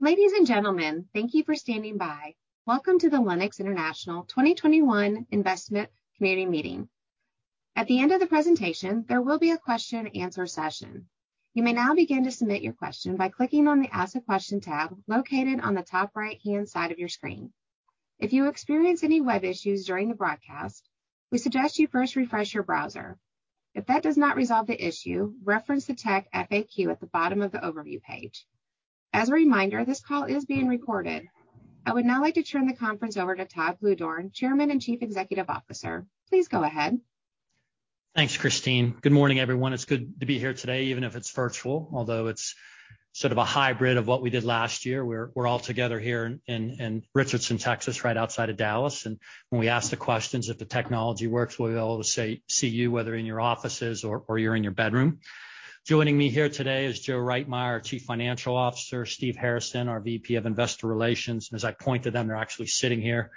Ladies and gentlemen, thank you for standing by. Welcome to the Lennox International 2021 Investment Community Meeting. At the end of the presentation, there will be a question and answer session. You may now begin to submit your question by clicking on the Ask a Question tab located on the top right-hand side of your screen. If you experience any web issues during the broadcast, we suggest you first refresh your browser. If that does not resolve the issue, reference the tech FAQ at the bottom of the overview page. As a reminder, this call is being recorded. I would now like to turn the conference over to Todd Bluedorn, Chairman and Chief Executive Officer. Please go ahead. Thanks, Christine. Good morning, everyone. It's good to be here today, even if it's virtual, although it's sort of a hybrid of what we did last year. We're all together here in Richardson, Texas, right outside of Dallas. When we ask the questions, if the technology works, we'll be able to see you, whether in your offices or you're in your bedroom. Joining me here today is Joe Reitmeier, our Chief Financial Officer, Steve Harrison, our VP of Investor Relations. As I point to them, they're actually sitting here.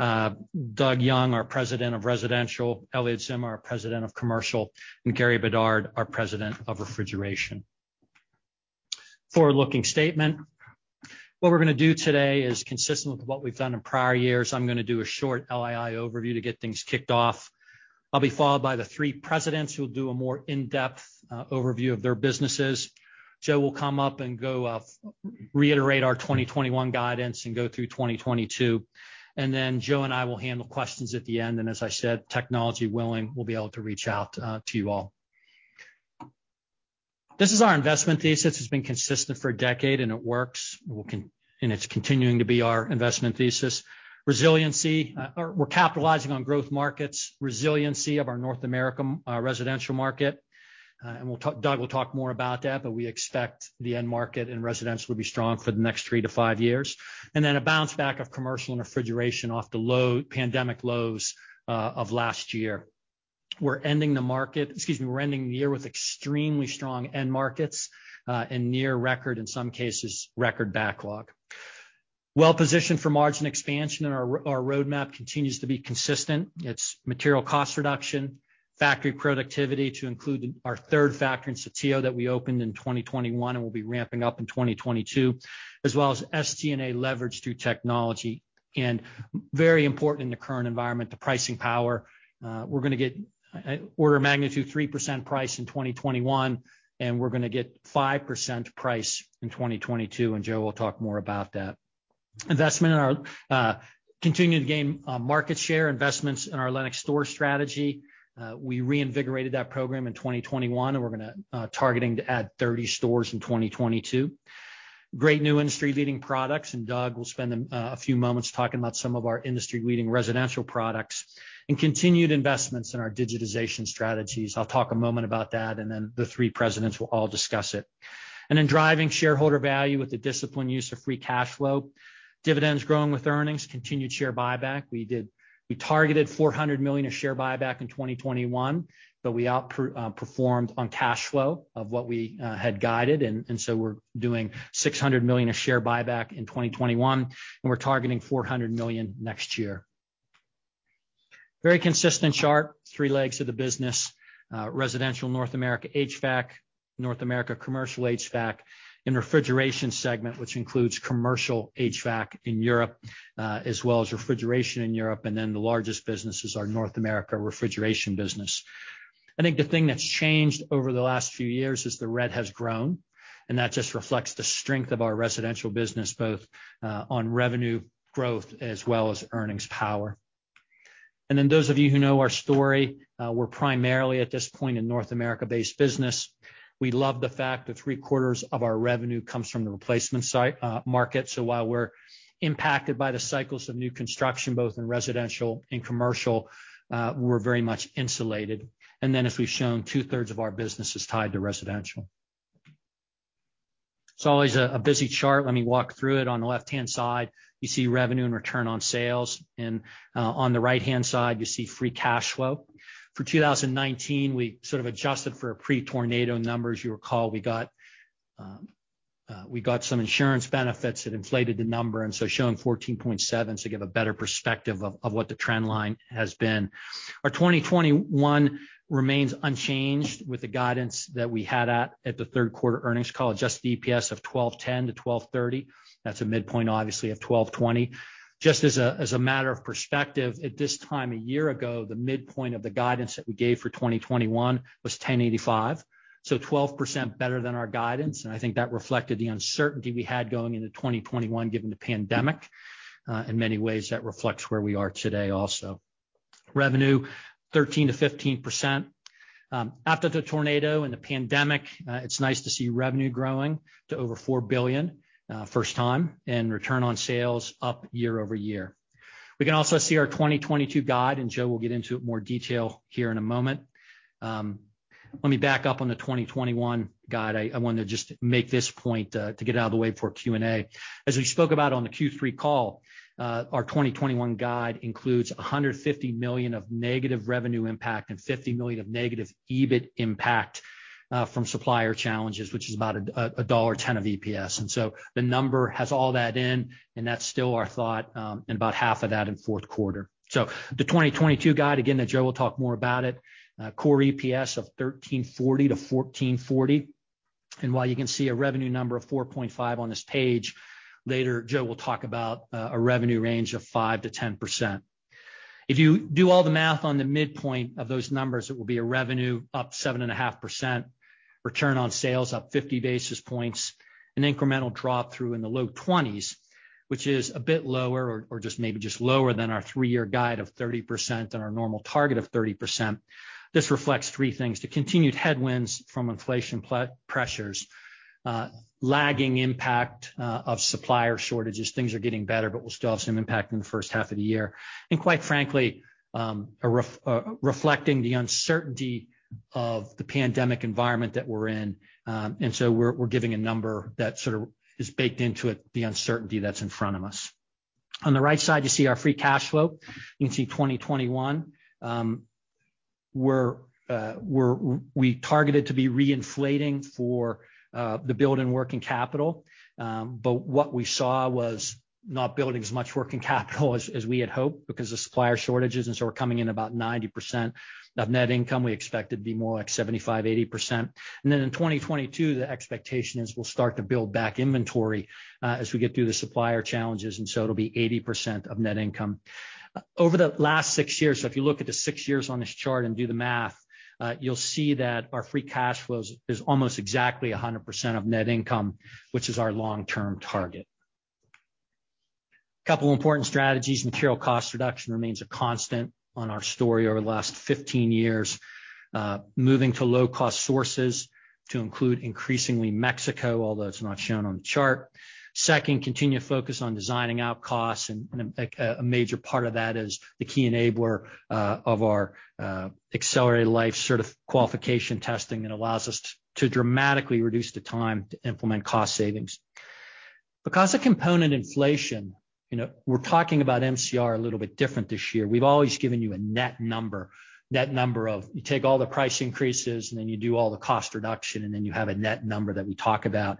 Doug Young, our President of Residential, Elliot Zimmer, our President of Commercial, and Gary Bedard, our President of Refrigeration. Forward-looking statement. What we're gonna do today is consistent with what we've done in prior years. I'm gonna do a short LII overview to get things kicked off. I'll be followed by the three presidents who'll do a more in-depth overview of their businesses. Joe will come up and go reiterate our 2021 guidance and go through 2022. Then Joe and I will handle questions at the end. As I said, technology willing, we'll be able to reach out to you all. This is our investment thesis. It's been consistent for a decade, and it works. It's continuing to be our investment thesis. Resiliency. We're capitalizing on growth markets, resiliency of our North America residential market. Doug will talk more about that, but we expect the end market in residential to be strong for the next three to five years. Then a bounce back of commercial and refrigeration off the low pandemic lows of last year. We're seeing the market. Excuse me, we're ending the year with extremely strong end markets, and near record, in some cases, record backlog. Well-positioned for margin expansion, and our roadmap continues to be consistent. It's material cost reduction, factory productivity to include our third factory in Saltillo that we opened in 2021 and will be ramping up in 2022, as well as SG&A leverage through technology. Very important in the current environment, the pricing power. We're gonna get order of magnitude 3% price in 2021, and we're gonna get 5% price in 2022, and Joe will talk more about that. Investment in our continuing to gain market share, investments in our Lennox store strategy. We reinvigorated that program in 2021, and we're targeting to add 30 stores in 2022. Great new industry-leading products, and Doug will spend a few moments talking about some of our industry-leading residential products. Continued investments in our digitization strategies. I'll talk a moment about that, and then the three presidents will all discuss it. Driving shareholder value with the disciplined use of free cash flow. Dividends growing with earnings, continued share buyback. We targeted $400 million of share buyback in 2021, but we outperformed on cash flow of what we had guided. And so we're doing $600 million of share buyback in 2021, and we're targeting $400 million next year. Very consistent chart, three legs of the business. Residential North America HVAC, North America commercial HVAC, and refrigeration segment, which includes commercial HVAC in Europe, as well as refrigeration in Europe. The largest business is our North America refrigeration business. I think the thing that's changed over the last few years is the red has grown, and that just reflects the strength of our residential business, both on revenue growth as well as earnings power. Those of you who know our story, we're primarily at this point, a North America-based business. We love the fact that three-quarters of our revenue comes from the replacement side market. While we're impacted by the cycles of new construction, both in residential and commercial, we're very much insulated. As we've shown, two-thirds of our business is tied to residential. It's always a busy chart. Let me walk through it. On the left-hand side, you see revenue and return on sales. On the right-hand side, you see free cash flow. For 2019, we sort of adjusted for a pre-tornado numbers. You recall we got some insurance benefits that inflated the number, and so showing 14.7 to give a better perspective of what the trend line has been. Our 2021 remains unchanged with the guidance that we had at the third quarter earnings call, adjusted EPS of $12.10-$12.30. That's a midpoint, obviously, of $12.20. Just as a matter of perspective, at this time a year ago, the midpoint of the guidance that we gave for 2021 was $10.85. Twelve percent better than our guidance, and I think that reflected the uncertainty we had going into 2021 given the pandemic. In many ways, that reflects where we are today also. Revenue, 13%-15%. After the tornado and the pandemic, it's nice to see revenue growing to over $4 billion first time, and return on sales up year-over-year. We can also see our 2022 guide, and Joe will get into it in more detail here in a moment. Let me back up on the 2021 guide. I want to just make this point to get it out of the way for Q&A. As we spoke about on the Q3 call, our 2021 guide includes $150 million of negative revenue impact and $50 million of negative EBIT impact from supplier challenges, which is about $1.10 of EPS. The number has all that in, and that's still our thought, and about half of that in fourth quarter. The 2022 guide, again, that Joe will talk more about it. Core EPS of $13.40-$14.40. While you can see a revenue number of $4.5 billion on this page, later Joe will talk about a revenue range of 5%-10%. If you do all the math on the midpoint of those numbers, it will be a revenue up 7.5%, return on sales up 50 basis points, an incremental drop through in the low 20s, which is a bit lower, just lower than our three-year guide of 30% and our normal target of 30%. This reflects three things. The continued headwinds from inflation pressures, lagging impact of supplier shortages. Things are getting better, but we'll still have some impact in the first half of the year. Quite frankly, reflecting the uncertainty of the pandemic environment that we're in. We're giving a number that sort of is baked into it the uncertainty that's in front of us. On the right side, you see our free cash flow. You can see 2021. We targeted to be reinflating for the build and working capital. What we saw was not building as much working capital as we had hoped because of supplier shortages, and so we're coming in about 90% of net income. We expected to be more like 75%-80%. In 2022, the expectation is we'll start to build back inventory as we get through the supplier challenges, and so it'll be 80% of net income. Over the last six years, so if you look at the six years on this chart and do the math, you'll see that our free cash flows is almost exactly 100% of net income, which is our long-term target. A couple important strategies. Material cost reduction remains a constant on our story over the last 15 years. Moving to low-cost sources to include increasingly Mexico, although it's not shown on the chart. Second, continue to focus on designing out costs and a major part of that is the key enabler of our accelerated life qualification testing that allows us to dramatically reduce the time to implement cost savings. Because of component inflation, you know, we're talking about MCR a little bit different this year. We've always given you a net number. Net number if you take all the price increases, and then you do all the cost reduction, and then you have a net number that we talk about.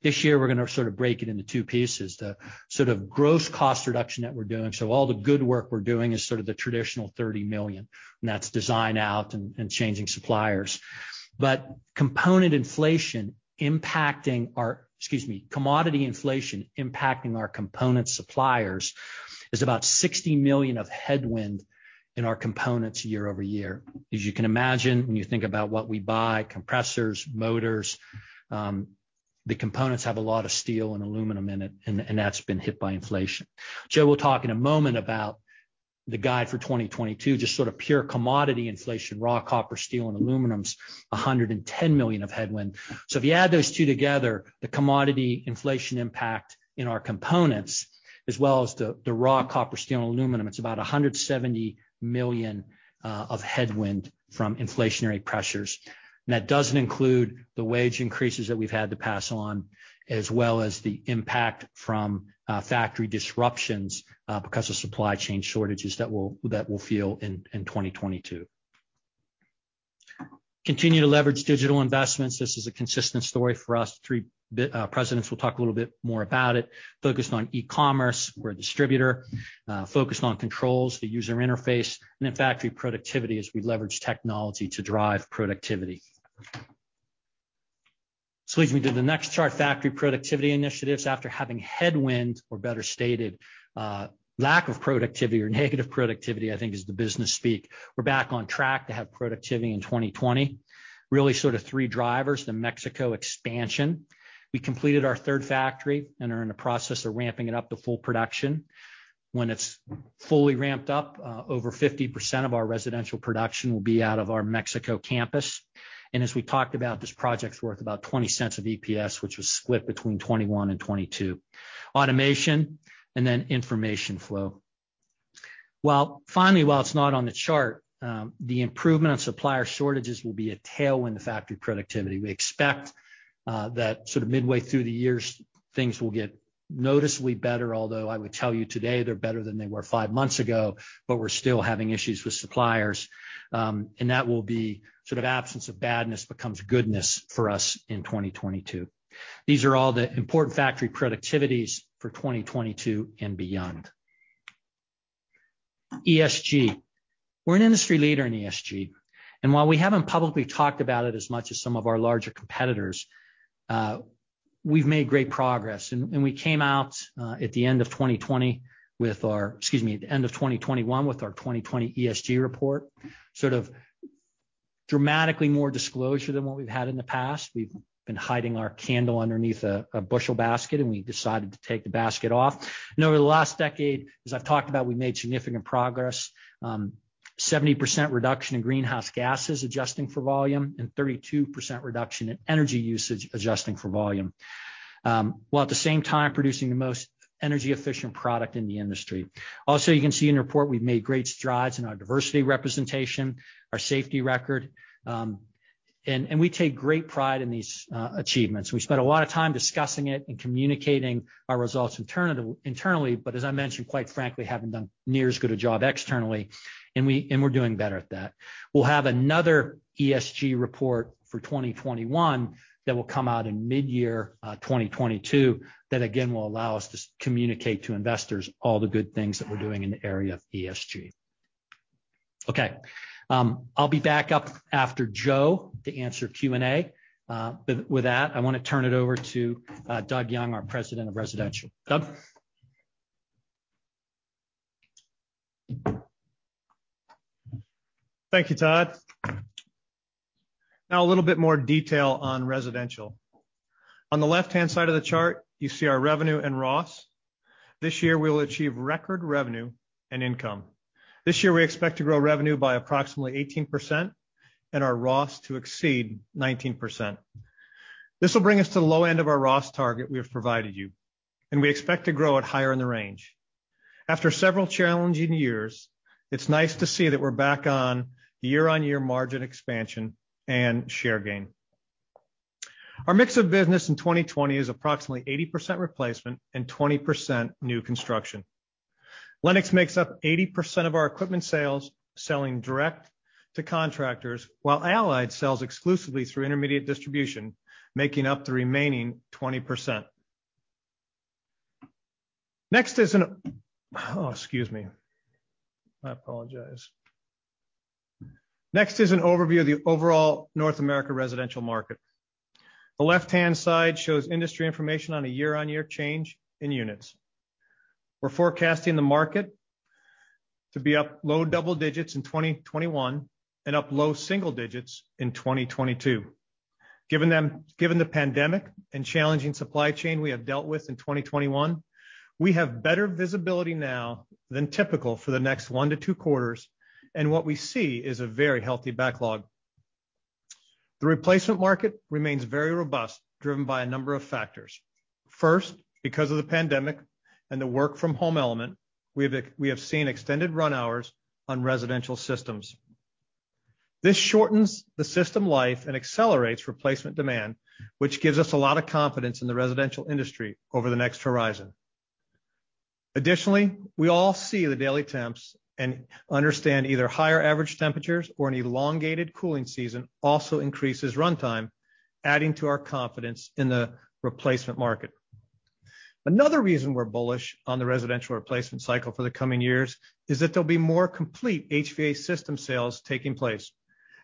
This year, we're gonna sort of break it into two pieces. The sort of gross cost reduction that we're doing, so all the good work we're doing is sort of the traditional $30 million, and that's design out and changing suppliers. But commodity inflation impacting our component suppliers is about $60 million of headwind in our components year-over-year. As you can imagine, when you think about what we buy, compressors, motors, the components have a lot of steel and aluminum in it, and that's been hit by inflation. Joe will talk in a moment about the guide for 2022, just sort of pure commodity inflation. Raw copper, steel, and aluminum is $110 million of headwind. If you add those two together, the commodity inflation impact in our components as well as the raw copper, steel, and aluminum, it's about $170 million of headwind from inflationary pressures. That doesn't include the wage increases that we've had to pass on, as well as the impact from factory disruptions because of supply chain shortages that we'll feel in 2022. Continue to leverage digital investments. This is a consistent story for us. Three presidents will talk a little bit more about it. Focused on e-commerce. We're a distributor. Focused on controls, the user interface, and then factory productivity as we leverage technology to drive productivity. This leads me to the next chart, factory productivity initiatives. After having headwinds, or better stated, lack of productivity or negative productivity, I think is the business speak, we're back on track to have productivity in 2020. Really sort of three drivers. The Mexico expansion. We completed our third factory and are in the process of ramping it up to full production. When it's fully ramped up, over 50% of our residential production will be out of our Mexico campus. As we talked about, this project's worth about $0.20 EPS, which was split between 2021 and 2022. Automation and then information flow. Finally, while it's not on the chart, the improvement on supplier shortages will be a tailwind to factory productivity. We expect that sort of midway through the years, things will get noticeably better, although I would tell you today they're better than they were five months ago, but we're still having issues with suppliers. That will be sort of absence of badness becomes goodness for us in 2022. These are all the important factory productivities for 2022 and beyond. ESG. We're an industry leader in ESG, and while we haven't publicly talked about it as much as some of our larger competitors, we've made great progress. We came out at the end of 2021 with our 2020 ESG report. Sort of dramatically more disclosure than what we've had in the past. We've been hiding our candle underneath a bushel basket, and we decided to take the basket off. Over the last decade, as I've talked about, we made significant progress. 70% reduction in greenhouse gases, adjusting for volume, and 32% reduction in energy usage, adjusting for volume. While at the same time producing the most energy-efficient product in the industry. Also, you can see in the report we've made great strides in our diversity representation, our safety record, and we take great pride in these achievements. We spent a lot of time discussing it and communicating our results internally. As I mentioned, quite frankly, haven't done near as good a job externally, and we're doing better at that. We'll have another ESG report for 2021 that will come out in midyear 2022, that again will allow us to communicate to investors all the good things that we're doing in the area of ESG. Okay. I'll be back up after Joe to answer Q&A. With that, I wanna turn it over to Doug Young, our President of Residential. Doug? Thank you, Todd. Now a little bit more detail on residential. On the left-hand side of the chart, you see our revenue and ROS. This year, we will achieve record revenue and income. This year, we expect to grow revenue by approximately 18% and our ROS to exceed 19%. This will bring us to the low end of our ROS target we have provided you, and we expect to grow it higher in the range. After several challenging years, it's nice to see that we're back on year-on-year margin expansion and share gain. Our mix of business in 2020 is approximately 80% replacement and 20% new construction. Lennox makes up 80% of our equipment sales, selling direct to contractors while Allied sells exclusively through intermediate distribution, making up the remaining 20%. Oh, excuse me. I apologize. Next is an overview of the overall North America residential market. The left-hand side shows industry information on a year-on-year change in units. We're forecasting the market to be up low double digits in 2021 and up low single digits in 2022. Given the pandemic and challenging supply chain we have dealt with in 2021, we have better visibility now than typical for the next one to two quarters, and what we see is a very healthy backlog. The replacement market remains very robust, driven by a number of factors. First, because of the pandemic and the work from home element, we have seen extended run hours on residential systems. This shortens the system life and accelerates replacement demand, which gives us a lot of confidence in the residential industry over the next horizon. Additionally, we all see the daily temps and understand either higher average temperatures or an elongated cooling season also increases runtime, adding to our confidence in the replacement market. Another reason we're bullish on the residential replacement cycle for the coming years is that there'll be more complete HVAC system sales taking place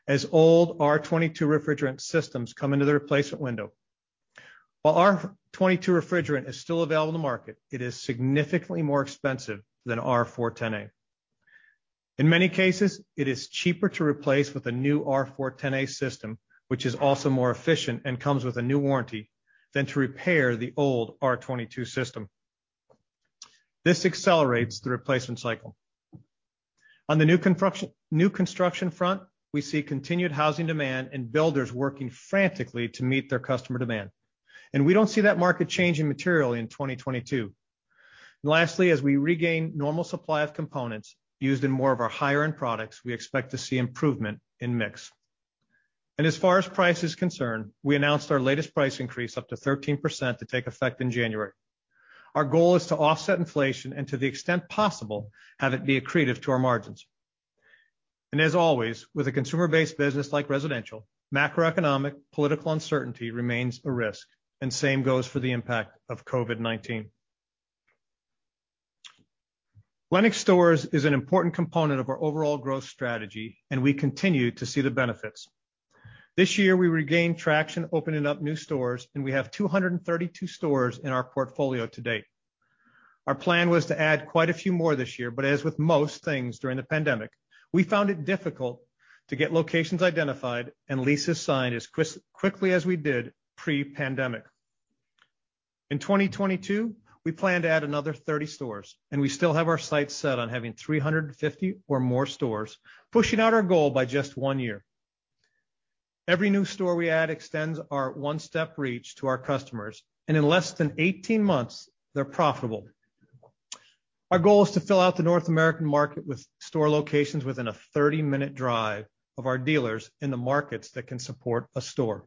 as old R22 refrigerant systems come into the replacement window. While R22 refrigerant is still available in the market, it is significantly more expensive than R410A. In many cases, it is cheaper to replace with a new R410A system, which is also more efficient and comes with a new warranty than to repair the old R22 system. This accelerates the replacement cycle. On the new construction front, we see continued housing demand and builders working frantically to meet their customer demand, and we don't see that market changing materially in 2022. Lastly, as we regain normal supply of components used in more of our higher end products, we expect to see improvement in mix. As far as price is concerned, we announced our latest price increase up to 13% to take effect in January. Our goal is to offset inflation and to the extent possible, have it be accretive to our margins. As always, with a consumer-based business like residential, macroeconomic political uncertainty remains a risk, and same goes for the impact of COVID-19. Lennox Stores is an important component of our overall growth strategy, and we continue to see the benefits. This year, we regained traction opening up new stores, and we have 232 stores in our portfolio to date. Our plan was to add quite a few more this year, but as with most things during the pandemic, we found it difficult to get locations identified and leases signed as quickly as we did pre-pandemic. In 2022, we plan to add another 30 stores, and we still have our sights set on having 350 or more stores, pushing out our goal by just one year. Every new store we add extends our one-step reach to our customers, and in less than 18 months, they're profitable. Our goal is to fill out the North American market with store locations within a 30-minute drive of our dealers in the markets that can support a store.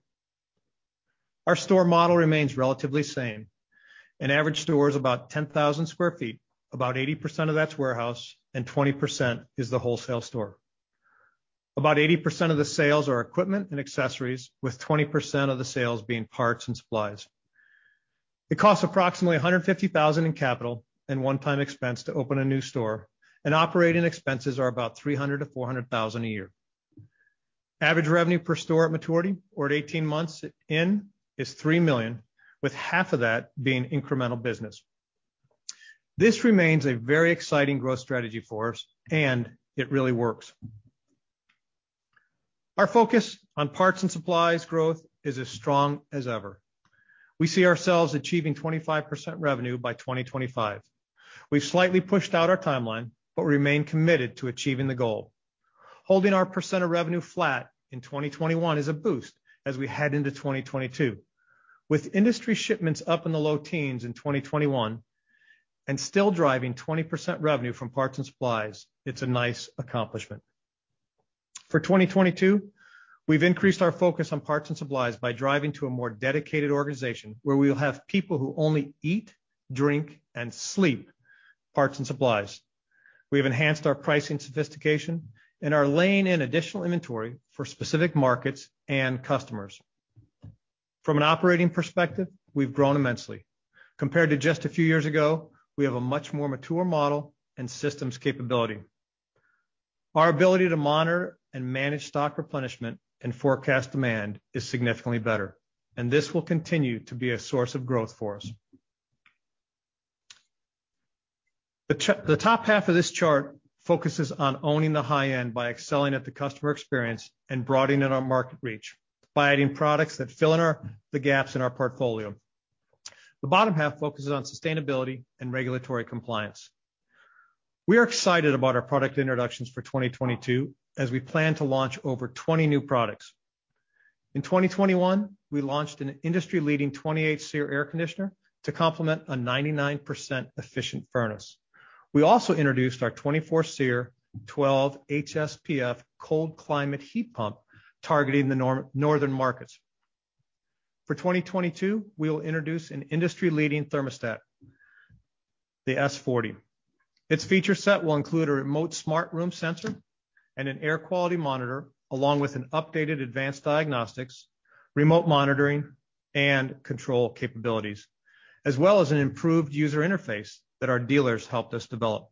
Our store model remains relatively same. An average store is about 10,000 sq ft. About 80% of that's warehouse, and 20% is the wholesale store. About 80% of the sales are equipment and accessories, with 20% of the sales being parts and supplies. It costs approximately $150,000 in capital and one-time expense to open a new store. Operating expenses are about $300,000-$400,000 a year. Average revenue per store at maturity or at 18 months in is $3 million, with half of that being incremental business. This remains a very exciting growth strategy for us, and it really works. Our focus on parts and supplies growth is as strong as ever. We see ourselves achieving 25% revenue by 2025. We've slightly pushed out our timeline, but remain committed to achieving the goal. Holding our percent of revenue flat in 2021 is a boost as we head into 2022. With industry shipments up in the low teens in 2021 and still driving 20% revenue from parts and supplies, it's a nice accomplishment. For 2022, we've increased our focus on parts and supplies by driving to a more dedicated organization where we will have people who only eat, drink, and sleep parts and supplies. We have enhanced our pricing sophistication and are laying in additional inventory for specific markets and customers. From an operating perspective, we've grown immensely. Compared to just a few years ago, we have a much more mature model and systems capability. Our ability to monitor and manage stock replenishment and forecast demand is significantly better, and this will continue to be a source of growth for us. The top half of this chart focuses on owning the high end by excelling at the customer experience and broadening out our market reach by adding products that fill in the gaps in our portfolio. The bottom half focuses on sustainability and regulatory compliance. We are excited about our product introductions for 2022 as we plan to launch over 20 new products. In 2021, we launched an industry-leading 28 SEER air conditioner to complement a 99% efficient furnace. We also introduced our 24 SEER, 12 HSPF cold climate heat pump targeting the northern markets. For 2022, we'll introduce an industry-leading thermostat, the S-40. Its feature set will include a remote smart room sensor and an air quality monitor, along with an updated advanced diagnostics, remote monitoring and control capabilities, as well as an improved user interface that our dealers helped us develop.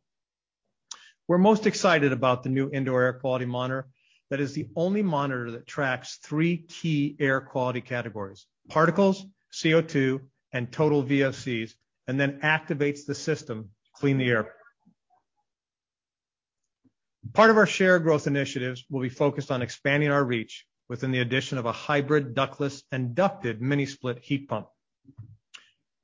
We're most excited about the new indoor air quality monitor that is the only monitor that tracks three key air quality categories: particles, CO2, and total VOCs, and then activates the system to clean the air. Part of our shared growth initiatives will be focused on expanding our reach within the addition of a hybrid ductless and ducted mini-split heat pump.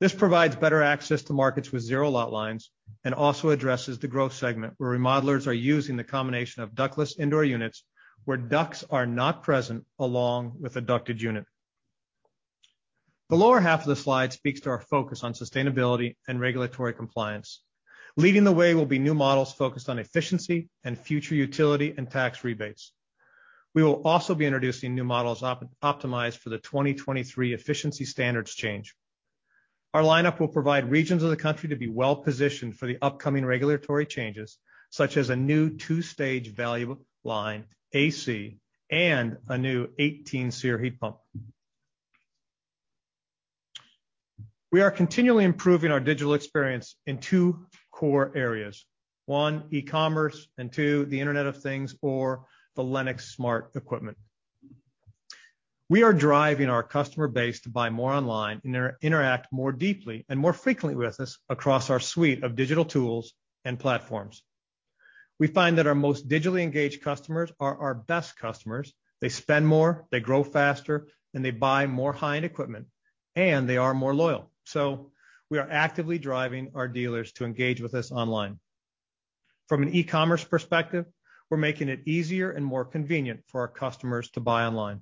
This provides better access to markets with zero lot lines and also addresses the growth segment where remodelers are using the combination of ductless indoor units, where ducts are not present, along with a ducted unit. The lower half of the slide speaks to our focus on sustainability and regulatory compliance. Leading the way will be new models focused on efficiency and future utility and tax rebates. We will also be introducing new models optimized for the 2023 efficiency standards change. Our lineup will provide regions of the country to be well-positioned for the upcoming regulatory changes, such as a new two-stage value line AC and a new 18 SEER heat pump. We are continually improving our digital experience in two core areas. One, e-commerce, and two, the Internet of Things or the Lennox smart equipment. We are driving our customer base to buy more online and interact more deeply and more frequently with us across our suite of digital tools and platforms. We find that our most digitally engaged customers are our best customers. They spend more, they grow faster, and they buy more high-end equipment, and they are more loyal. We are actively driving our dealers to engage with us online. From an e-commerce perspective, we're making it easier and more convenient for our customers to buy online.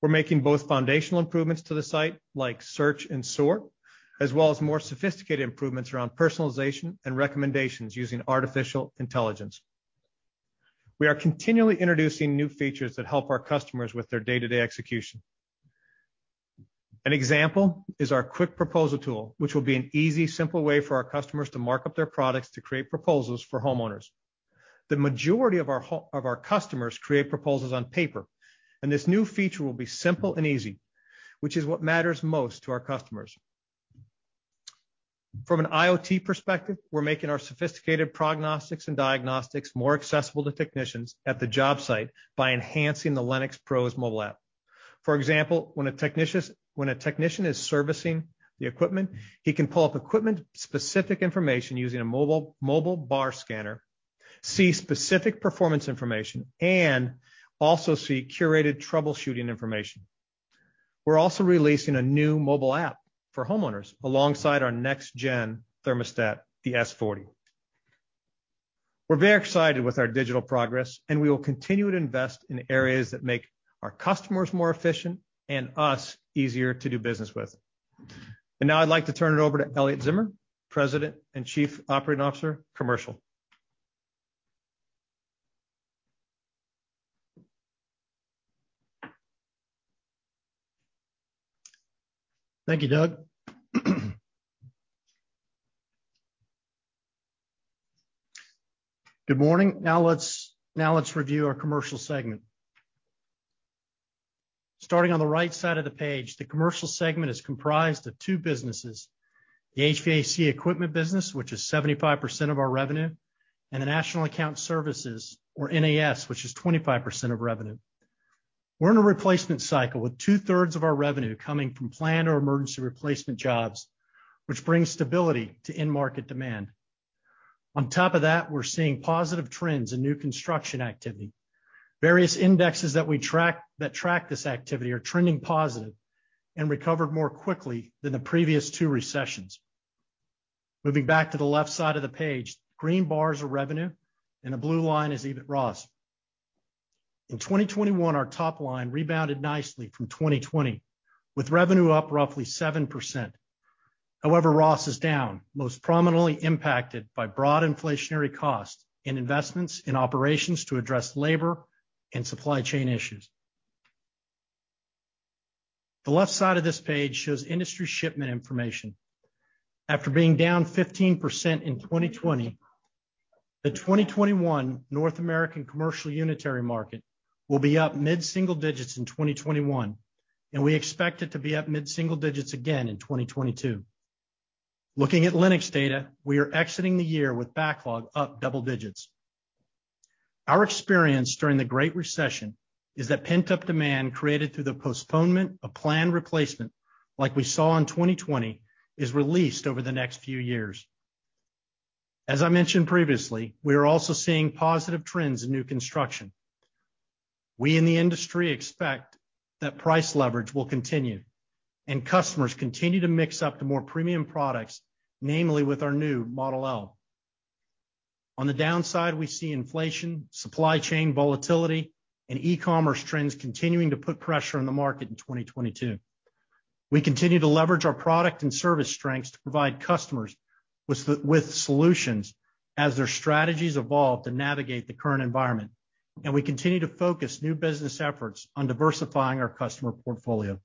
We're making both foundational improvements to the site, like search and sort, as well as more sophisticated improvements around personalization and recommendations using artificial intelligence. We are continually introducing new features that help our customers with their day-to-day execution. An example is our quick proposal tool, which will be an easy, simple way for our customers to mark up their products to create proposals for homeowners. The majority of our customers create proposals on paper, and this new feature will be simple and easy, which is what matters most to our customers. From an IoT perspective, we're making our sophisticated prognostics and diagnostics more accessible to technicians at the job site by enhancing the LennoxPROs mobile app. For example, when a technician is servicing the equipment, he can pull up equipment-specific information using a mobile bar scanner, see specific performance information, and also see curated troubleshooting information. We're also releasing a new mobile app for homeowners alongside our next gen thermostat, the S-40. We're very excited with our digital progress, and we will continue to invest in areas that make our customers more efficient and us easier to do business with. Now I'd like to turn it over to Elliot Zimmer, Executive Vice President and COO of Commercial. Thank you, Doug. Good morning. Now let's review our commercial segment. Starting on the right side of the page, the commercial segment is comprised of two businesses, the HVAC equipment business, which is 75% of our revenue, and the National Account Services, or NAS, which is 25% of revenue. We're in a replacement cycle with two-thirds of our revenue coming from planned or emergency replacement jobs, which brings stability to end market demand. On top of that, we're seeing positive trends in new construction activity. Various indexes that track this activity are trending positive and recovered more quickly than the previous two recessions. Moving back to the left side of the page, green bars are revenue and the blue line is EBIT ROS. In 2021, our top line rebounded nicely from 2020, with revenue up roughly 7%. However, ROS is down, most prominently impacted by broad inflationary costs and investments in operations to address labor and supply chain issues. The left side of this page shows industry shipment information. After being down 15% in 2020. The 2021 North American commercial unitary market will be up mid-single digits in 2021, and we expect it to be up mid-single digits again in 2022. Looking at Lennox data, we are exiting the year with backlog up double digits. Our experience during the Great Recession is that pent-up demand created through the postponement of planned replacement, like we saw in 2020, is released over the next few years. As I mentioned previously, we are also seeing positive trends in new construction. We in the industry expect that price leverage will continue, and customers continue to mix up to more premium products, namely with our new Model L. On the downside, we see inflation, supply chain volatility, and e-commerce trends continuing to put pressure on the market in 2022. We continue to leverage our product and service strengths to provide customers with solutions as their strategies evolve to navigate the current environment, and we continue to focus new business efforts on diversifying our customer portfolio.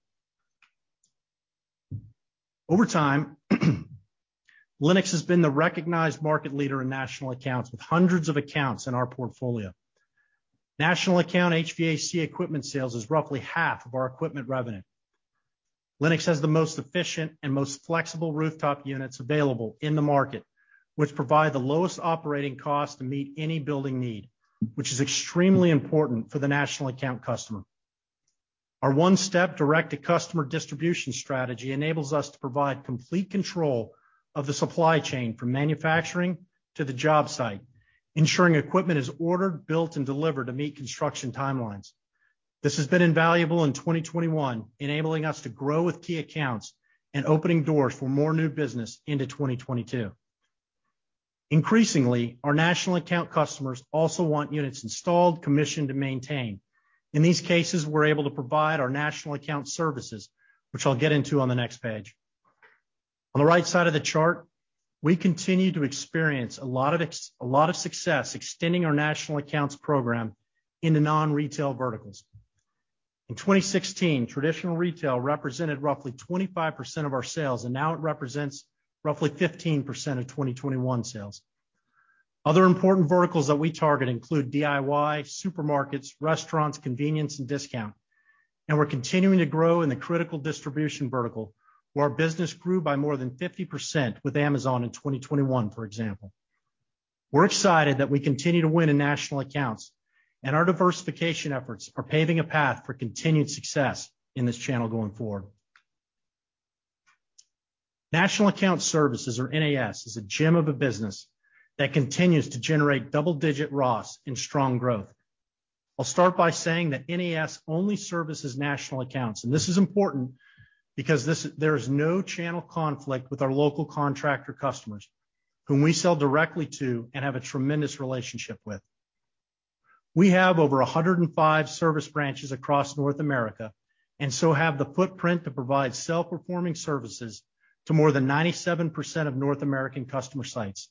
Over time, Lennox has been the recognized market leader in National Accounts with hundreds of accounts in our portfolio. National Account HVAC equipment sales is roughly half of our equipment revenue. Lennox has the most efficient and most flexible rooftop units available in the market, which provide the lowest operating cost to meet any building need, which is extremely important for the National Account customer. Our one-step direct-to-customer distribution strategy enables us to provide complete control of the supply chain from manufacturing to the job site, ensuring equipment is ordered, built, and delivered to meet construction timelines. This has been invaluable in 2021, enabling us to grow with key accounts and opening doors for more new business into 2022. Increasingly, our national account customers also want units installed, commissioned, and maintained. In these cases, we're able to provide our National Account Services, which I'll get into on the next page. On the right side of the chart, we continue to experience a lot of success extending our National Accounts program into non-retail verticals. In 2016, traditional retail represented roughly 25% of our sales, and now it represents roughly 15% of 2021 sales. Other important verticals that we target include DIY, supermarkets, restaurants, convenience, and discount. We're continuing to grow in the critical distribution vertical, where our business grew by more than 50% with Amazon in 2021, for example. We're excited that we continue to win in national accounts, and our diversification efforts are paving a path for continued success in this channel going forward. National Account Services, or NAS, is a gem of a business that continues to generate double-digit ROS and strong growth. I'll start by saying that NAS only services national accounts, and this is important because there is no channel conflict with our local contractor customers whom we sell directly to and have a tremendous relationship with. We have over 105 service branches across North America, and so have the footprint to provide self-performing services to more than 97% of North American customer sites.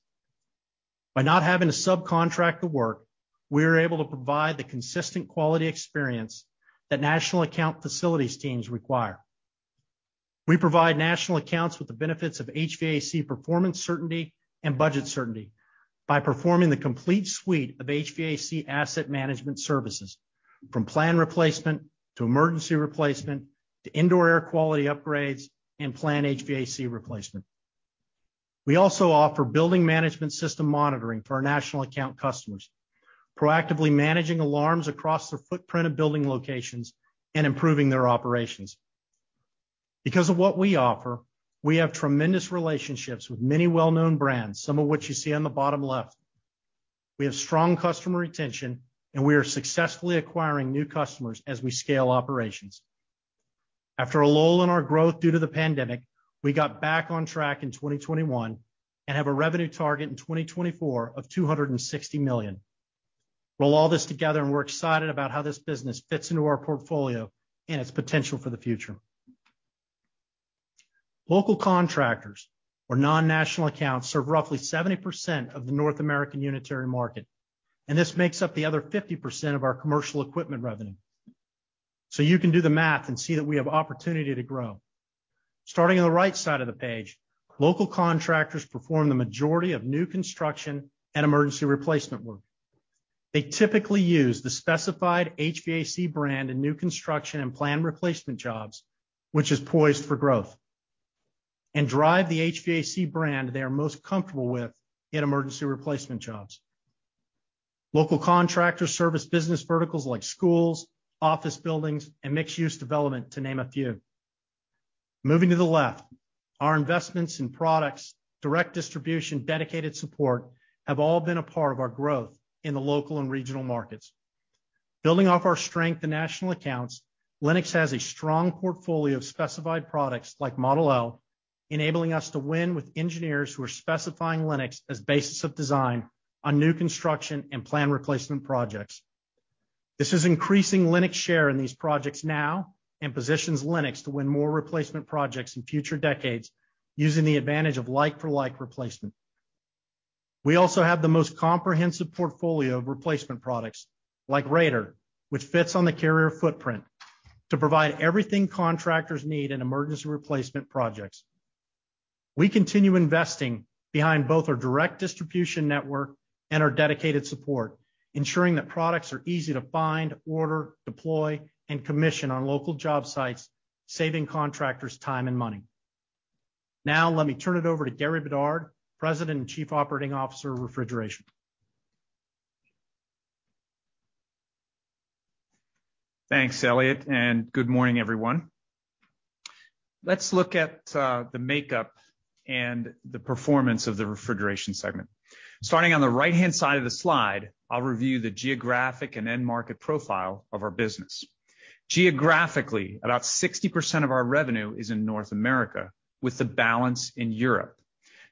By not having to subcontract the work, we are able to provide the consistent quality experience that national account facilities teams require. We provide national accounts with the benefits of HVAC performance certainty and budget certainty by performing the complete suite of HVAC asset management services, from planned replacement to emergency replacement to indoor air quality upgrades and planned HVAC replacement. We also offer building management system monitoring for our national account customers, proactively managing alarms across their footprint of building locations and improving their operations. Because of what we offer, we have tremendous relationships with many well-known brands, some of which you see on the bottom left. We have strong customer retention, and we are successfully acquiring new customers as we scale operations. After a lull in our growth due to the pandemic, we got back on track in 2021 and have a revenue target in 2024 of $260 million. Roll all this together, and we're excited about how this business fits into our portfolio and its potential for the future. Local contractors or non-national accounts serve roughly 70% of the North American unitary market, and this makes up the other 50% of our commercial equipment revenue. You can do the math and see that we have opportunity to grow. Starting on the right side of the page, local contractors perform the majority of new construction and emergency replacement work. They typically use the specified HVAC brand in new construction and planned replacement jobs, which is poised for growth, and drive the HVAC brand they are most comfortable with in emergency replacement jobs. Local contractors service business verticals like schools, office buildings, and mixed-use development, to name a few. Moving to the left, our investments in products, direct distribution, dedicated support, have all been a part of our growth in the local and regional markets. Building off our strength in national accounts, Lennox has a strong portfolio of specified products like Model L, enabling us to win with engineers who are specifying Lennox as basis of design on new construction and planned replacement projects. This is increasing Lennox share in these projects now and positions Lennox to win more replacement projects in future decades using the advantage of like for like replacement. We also have the most comprehensive portfolio of replacement products like Raider, which fits on the Carrier footprint to provide everything contractors need in emergency replacement projects. We continue investing behind both our direct distribution network and our dedicated support, ensuring that products are easy to find, order, deploy, and commission on local job sites, saving contractors time and money. Now let me turn it over to Gary Bedard, President and Chief Operating Officer of Refrigeration. Thanks, Elliot, and good morning, everyone. Let's look at the makeup and the performance of the refrigeration segment. Starting on the right-hand side of the slide, I'll review the geographic and end market profile of our business. Geographically, about 60% of our revenue is in North America, with the balance in Europe.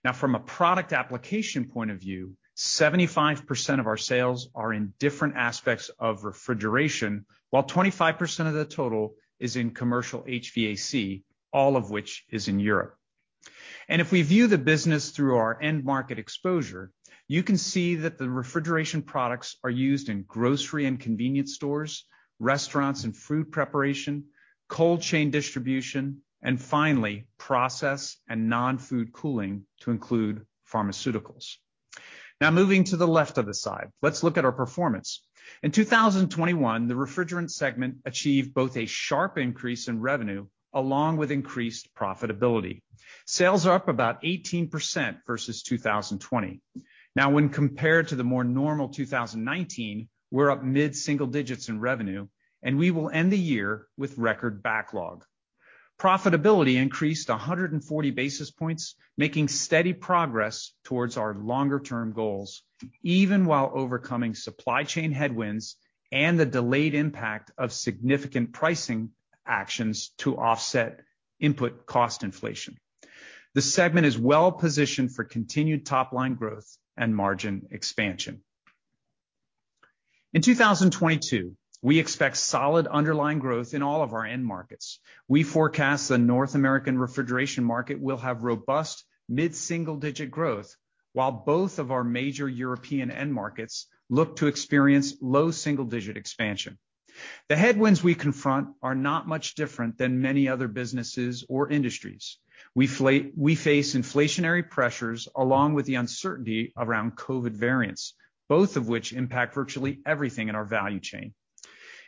Now from a product application point of view, 75% of our sales are in different aspects of refrigeration, while 25% of the total is in commercial HVAC, all of which is in Europe. If we view the business through our end market exposure, you can see that the refrigeration products are used in grocery and convenience stores, restaurants and food preparation, cold chain distribution, and finally, process and non-food cooling to include pharmaceuticals. Now moving to the left of the slide, let's look at our performance. In 2021, the refrigerant segment achieved both a sharp increase in revenue along with increased profitability. Sales are up about 18% versus 2020. Now when compared to the more normal 2019, we're up mid-single digits in revenue, and we will end the year with record backlog. Profitability increased 140 basis points, making steady progress towards our longer-term goals, even while overcoming supply chain headwinds and the delayed impact of significant pricing actions to offset input cost inflation. The segment is well-positioned for continued top-line growth and margin expansion. In 2022, we expect solid underlying growth in all of our end markets. We forecast the North American refrigeration market will have robust mid-single-digit growth, while both of our major European end markets look to experience low single-digit expansion. The headwinds we confront are not much different than many other businesses or industries. We face inflationary pressures along with the uncertainty around COVID variants, both of which impact virtually everything in our value chain.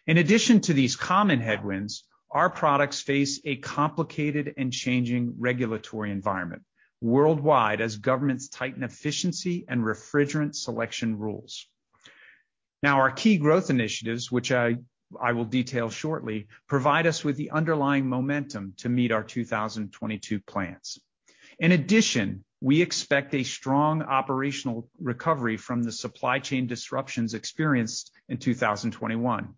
In addition to these common headwinds, our products face a complicated and changing regulatory environment worldwide as governments tighten efficiency and refrigerant selection rules. Now our key growth initiatives, which I will detail shortly, provide us with the underlying momentum to meet our 2022 plans. In addition, we expect a strong operational recovery from the supply chain disruptions experienced in 2021.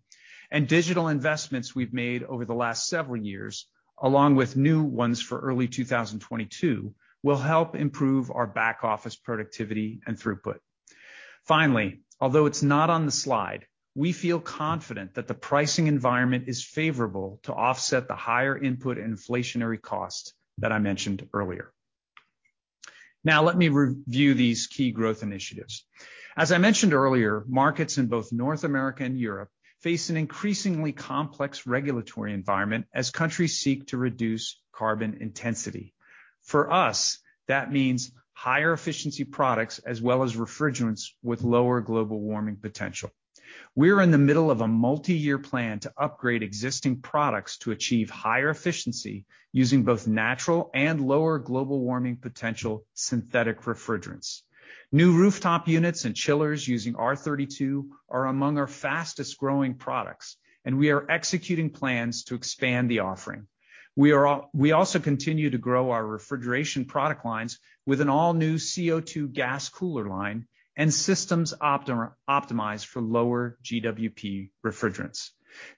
Digital investments we've made over the last several years, along with new ones for early 2022, will help improve our back-office productivity and throughput. Finally, although it's not on the slide, we feel confident that the pricing environment is favorable to offset the higher input inflationary costs that I mentioned earlier. Now let me review these key growth initiatives. As I mentioned earlier, markets in both North America and Europe face an increasingly complex regulatory environment as countries seek to reduce carbon intensity. For us, that means higher efficiency products as well as refrigerants with lower global warming potential. We're in the middle of a multi-year plan to upgrade existing products to achieve higher efficiency using both natural and lower global warming potential synthetic refrigerants. New rooftop units and chillers using R32 are among our fastest-growing products, and we are executing plans to expand the offering. We also continue to grow our refrigeration product lines with an all-new CO2 gas cooler line and systems optimized for lower GWP refrigerants.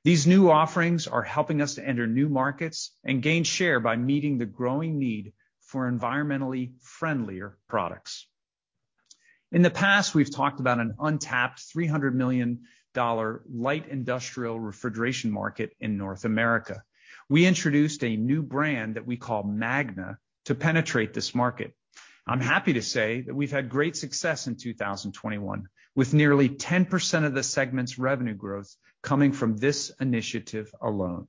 These new offerings are helping us to enter new markets and gain share by meeting the growing need for environmentally friendlier products. In the past, we've talked about an untapped $300 million light industrial refrigeration market in North America. We introduced a new brand that we call MAGNA to penetrate this market. I'm happy to say that we've had great success in 2021, with nearly 10% of the segment's revenue growth coming from this initiative alone.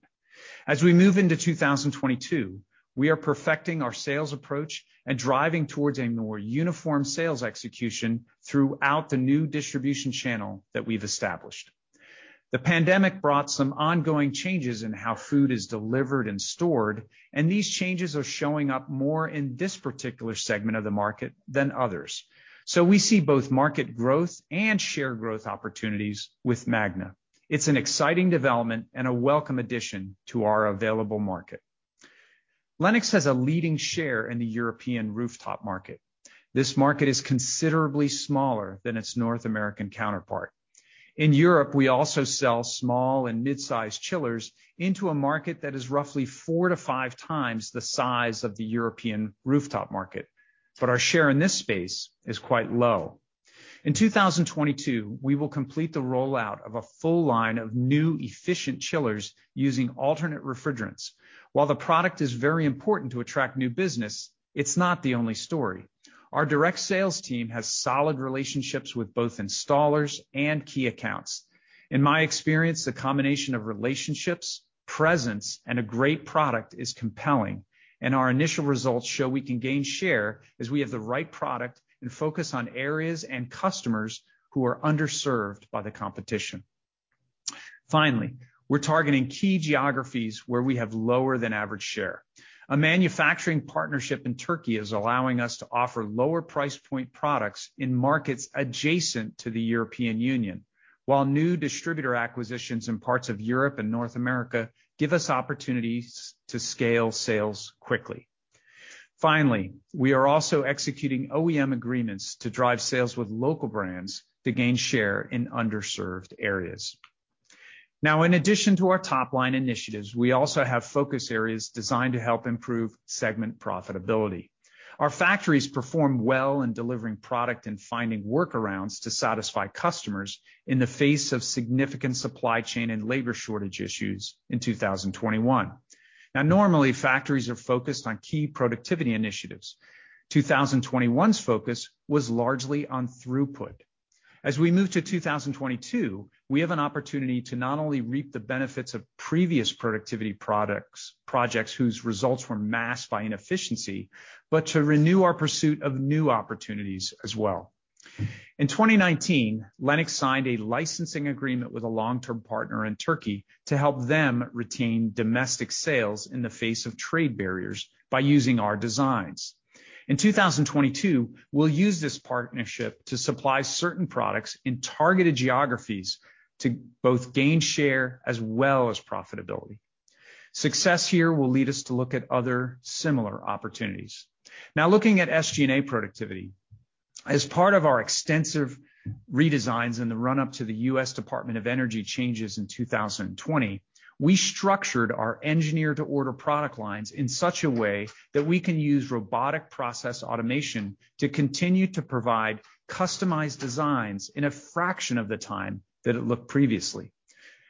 As we move into 2022, we are perfecting our sales approach and driving towards a more uniform sales execution throughout the new distribution channel that we've established. The pandemic brought some ongoing changes in how food is delivered and stored, and these changes are showing up more in this particular segment of the market than others. We see both market growth and share growth opportunities with MAGNA. It's an exciting development and a welcome addition to our available market. Lennox has a leading share in the European rooftop market. This market is considerably smaller than its North American counterpart. In Europe, we also sell small and mid-sized chillers into a market that is roughly four to five times the size of the European rooftop market, but our share in this space is quite low. In 2022, we will complete the rollout of a full line of new efficient chillers using alternate refrigerants. While the product is very important to attract new business, it's not the only story. Our direct sales team has solid relationships with both installers and key accounts. In my experience, the combination of relationships, presence, and a great product is compelling, and our initial results show we can gain share as we have the right product and focus on areas and customers who are underserved by the competition. Finally, we're targeting key geographies where we have lower than average share. A manufacturing partnership in Turkey is allowing us to offer lower price point products in markets adjacent to the European Union, while new distributor acquisitions in parts of Europe and North America give us opportunities to scale sales quickly. Finally, we are also executing OEM agreements to drive sales with local brands to gain share in underserved areas. Now, in addition to our top-line initiatives, we also have focus areas designed to help improve segment profitability. Our factories performed well in delivering product and finding workarounds to satisfy customers in the face of significant supply chain and labor shortage issues in 2021. Now, normally, factories are focused on key productivity initiatives. 2021's focus was largely on throughput. As we move to 2022, we have an opportunity to not only reap the benefits of previous productivity projects whose results were masked by inefficiency, but to renew our pursuit of new opportunities as well. In 2019, Lennox signed a licensing agreement with a long-term partner in Turkey to help them retain domestic sales in the face of trade barriers by using our designs. In 2022, we'll use this partnership to supply certain products in targeted geographies to both gain share as well as profitability. Success here will lead us to look at other similar opportunities. Now, looking at SG&A productivity. As part of our extensive redesigns in the run-up to the U.S. Department of Energy changes in 2020, we structured our engineer to order product lines in such a way that we can use robotic process automation to continue to provide customized designs in a fraction of the time that it took previously.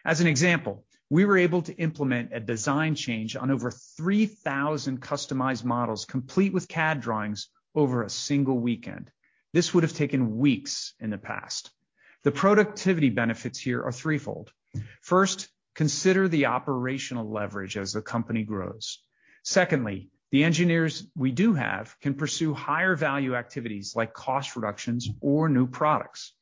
As an example, we were able to implement a design change on over 3,000 customized models, complete with CAD drawings, over a single weekend. This would have taken weeks in the past. The productivity benefits here are threefold. First, consider the operational leverage as the company grows. Secondly, the engineers we do have can pursue higher value activities like cost reductions or new products.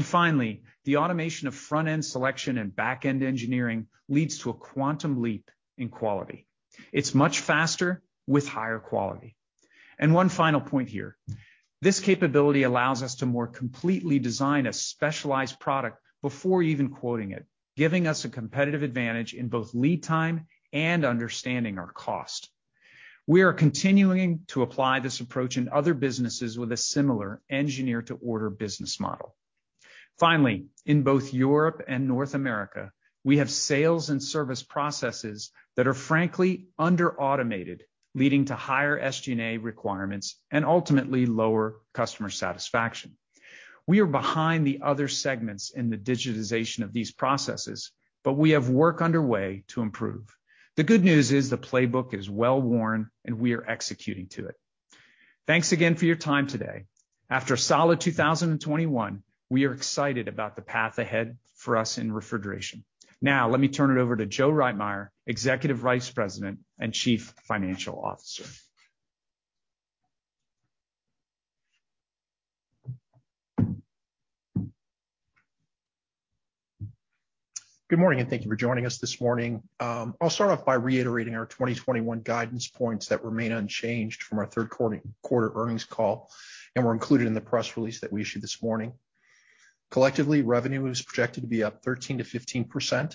Finally, the automation of front-end selection and back-end engineering leads to a quantum leap in quality. It's much faster with higher quality. One final point here. This capability allows us to more completely design a specialized product before even quoting it, giving us a competitive advantage in both lead time and understanding our cost. We are continuing to apply this approach in other businesses with a similar engineer to order business model. Finally, in both Europe and North America, we have sales and service processes that are frankly under-automated, leading to higher SG&A requirements and ultimately lower customer satisfaction. We are behind the other segments in the digitization of these processes, but we have work underway to improve. The good news is the playbook is well worn, and we are executing to it. Thanks again for your time today. After a solid 2021, we are excited about the path ahead for us in refrigeration. Now, let me turn it over to Joe Reitmeier, Executive Vice President and Chief Financial Officer. Good morning, and thank you for joining us this morning. I'll start off by reiterating our 2021 guidance points that remain unchanged from our third quarter earnings call and were included in the press release that we issued this morning. Collectively, revenue is projected to be up 13%-15%,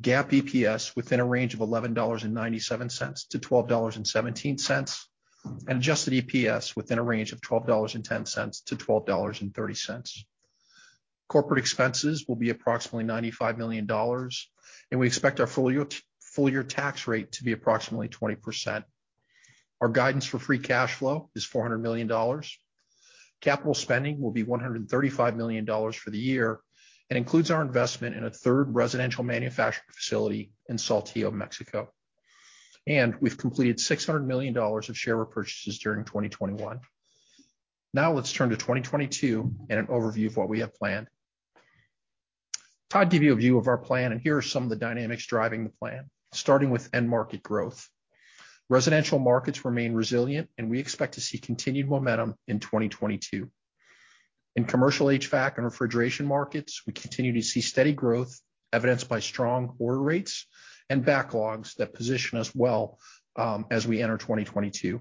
GAAP EPS within a range of $11.97-$12.17, and adjusted EPS within a range of $12.10-$12.30. Corporate expenses will be approximately $95 million, and we expect our full year tax rate to be approximately 20%. Our guidance for free cash flow is $400 million. Capital spending will be $135 million for the year, and includes our investment in a third residential manufacturing facility in Saltillo, Mexico. We've completed $600 million of share repurchases during 2021. Now let's turn to 2022 and an overview of what we have planned. Time to give you a view of our plan, and here are some of the dynamics driving the plan, starting with end market growth. Residential markets remain resilient, and we expect to see continued momentum in 2022. In Commercial HVAC and Refrigeration markets, we continue to see steady growth evidenced by strong order rates and backlogs that position us well, as we enter 2022.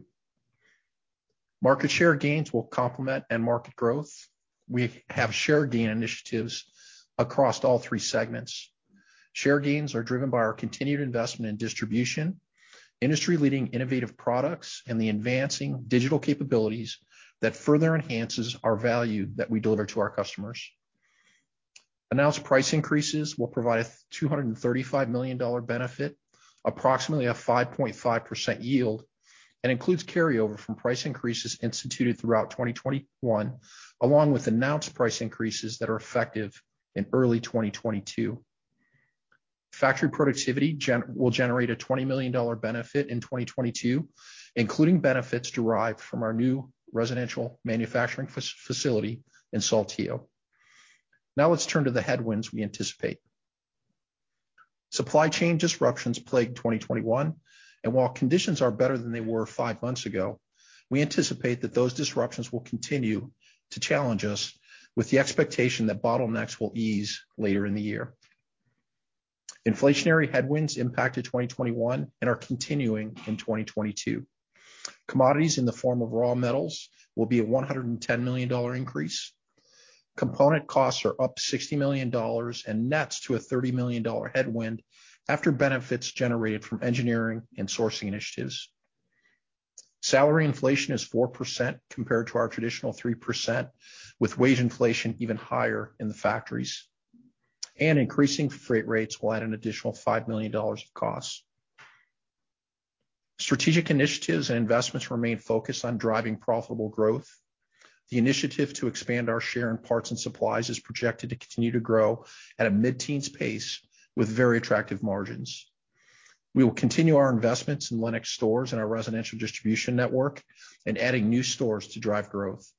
Market share gains will complement end market growth. We have share gain initiatives across all three segments. Share gains are driven by our continued investment in distribution, industry-leading innovative products, and the advancing digital capabilities that further enhances our value that we deliver to our customers. Announced price increases will provide a $235 million benefit, approximately a 5.5% yield, and includes carryover from price increases instituted throughout 2021, along with announced price increases that are effective in early 2022. Factory productivity will generate a $20 million benefit in 2022, including benefits derived from our new residential manufacturing facility in Saltillo. Now let's turn to the headwinds we anticipate. Supply chain disruptions plagued 2021, and while conditions are better than they were five months ago, we anticipate that those disruptions will continue to challenge us with the expectation that bottlenecks will ease later in the year. Inflationary headwinds impacted 2021 and are continuing in 2022. Commodities in the form of raw metals will be a $110 million increase. Component costs are up $60 million and nets to a $30 million headwind after benefits generated from engineering and sourcing initiatives. Salary inflation is 4% compared to our traditional 3%, with wage inflation even higher in the factories. Increasing freight rates will add an additional $5 million of costs. Strategic initiatives and investments remain focused on driving profitable growth. The initiative to expand our share in parts and supplies is projected to continue to grow at a mid-teen pace with very attractive margins. We will continue our investments in Lennox Stores and our residential distribution network and adding new stores to drive growth.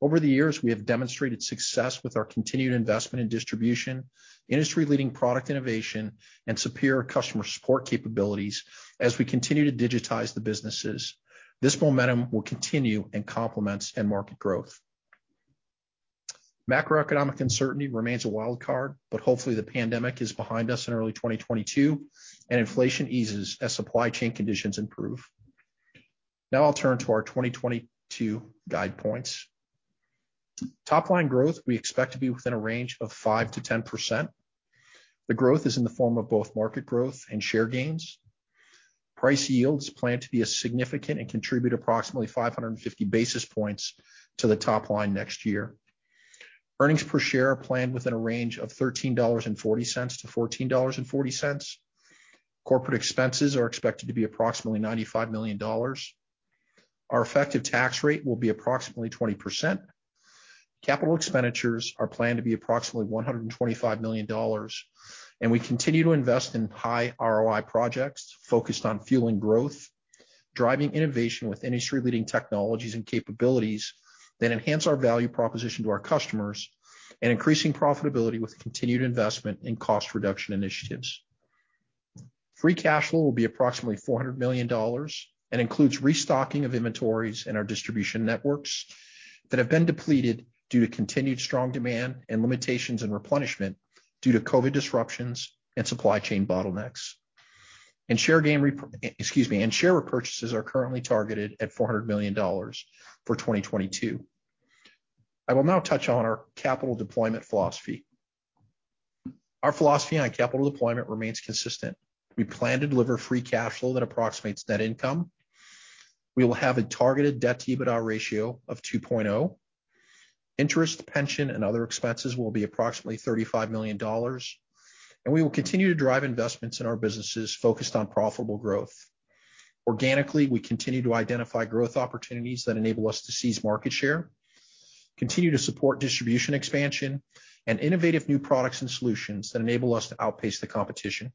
Over the years, we have demonstrated success with our continued investment in distribution, industry-leading product innovation, and superior customer support capabilities as we continue to digitize the businesses. This momentum will continue and complements end market growth. Macroeconomic uncertainty remains a wild card, but hopefully the pandemic is behind us in early 2022, and inflation eases as supply chain conditions improve. Now I'll turn to our 2022 guide points. Top line growth we expect to be within a range of 5%-10%. The growth is in the form of both market growth and share gains. Price yields plan to be significant and contribute approximately 550 basis points to the top line next year. Earnings per share are planned within a range of $13.40-$14.40. Corporate expenses are expected to be approximately $95 million. Our effective tax rate will be approximately 20%. Capital expenditures are planned to be approximately $125 million, and we continue to invest in high ROI projects focused on fueling growth, driving innovation with industry-leading technologies and capabilities that enhance our value proposition to our customers, and increasing profitability with continued investment in cost reduction initiatives. Free cash flow will be approximately $400 million and includes restocking of inventories in our distribution networks that have been depleted due to continued strong demand and limitations in replenishment due to COVID disruptions and supply chain bottlenecks. Share repurchases are currently targeted at $400 million for 2022. I will now touch on our capital deployment philosophy. Our philosophy on capital deployment remains consistent. We plan to deliver free cash flow that approximates net income. We will have a targeted debt-to-EBITDA ratio of 2.0. Interest, pension, and other expenses will be approximately $35 million. We will continue to drive investments in our businesses focused on profitable growth. Organically, we continue to identify growth opportunities that enable us to seize market share, continue to support distribution expansion, and innovative new products and solutions that enable us to outpace the competition,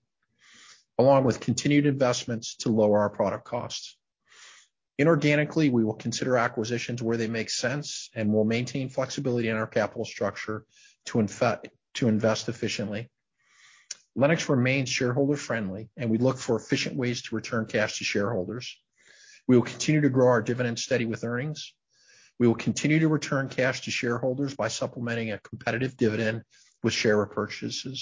along with continued investments to lower our product costs. Inorganically, we will consider acquisitions where they make sense, and we'll maintain flexibility in our capital structure to invest efficiently. Lennox remains shareholder-friendly, and we look for efficient ways to return cash to shareholders. We will continue to grow our dividend steady with earnings. We will continue to return cash to shareholders by supplementing a competitive dividend with share repurchases.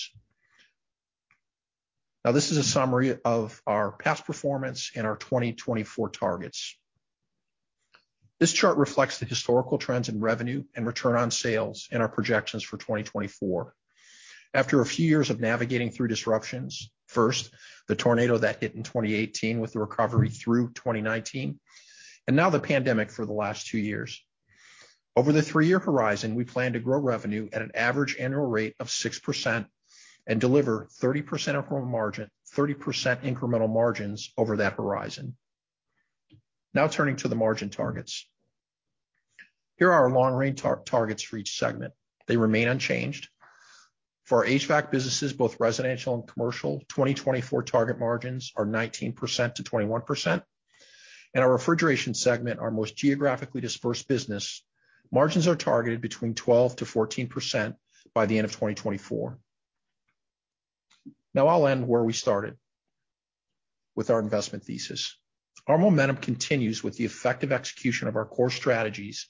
Now, this is a summary of our past performance and our 2024 targets. This chart reflects the historical trends in revenue and return on sales and our projections for 2024. After a few years of navigating through disruptions, first, the tornado that hit in 2018 with the recovery through 2019, and now the pandemic for the last two years. Over the three-year horizon, we plan to grow revenue at an average annual rate of 6% and deliver 30% incremental margins over that horizon. Now turning to the margin targets. Here are our long-range targets for each segment. They remain unchanged. For our HVAC businesses, both residential and commercial, 2024 target margins are 19%-21%. In our refrigeration segment, our most geographically dispersed business, margins are targeted between 12%-14% by the end of 2024. Now I'll end where we started, with our investment thesis. Our momentum continues with the effective execution of our core strategies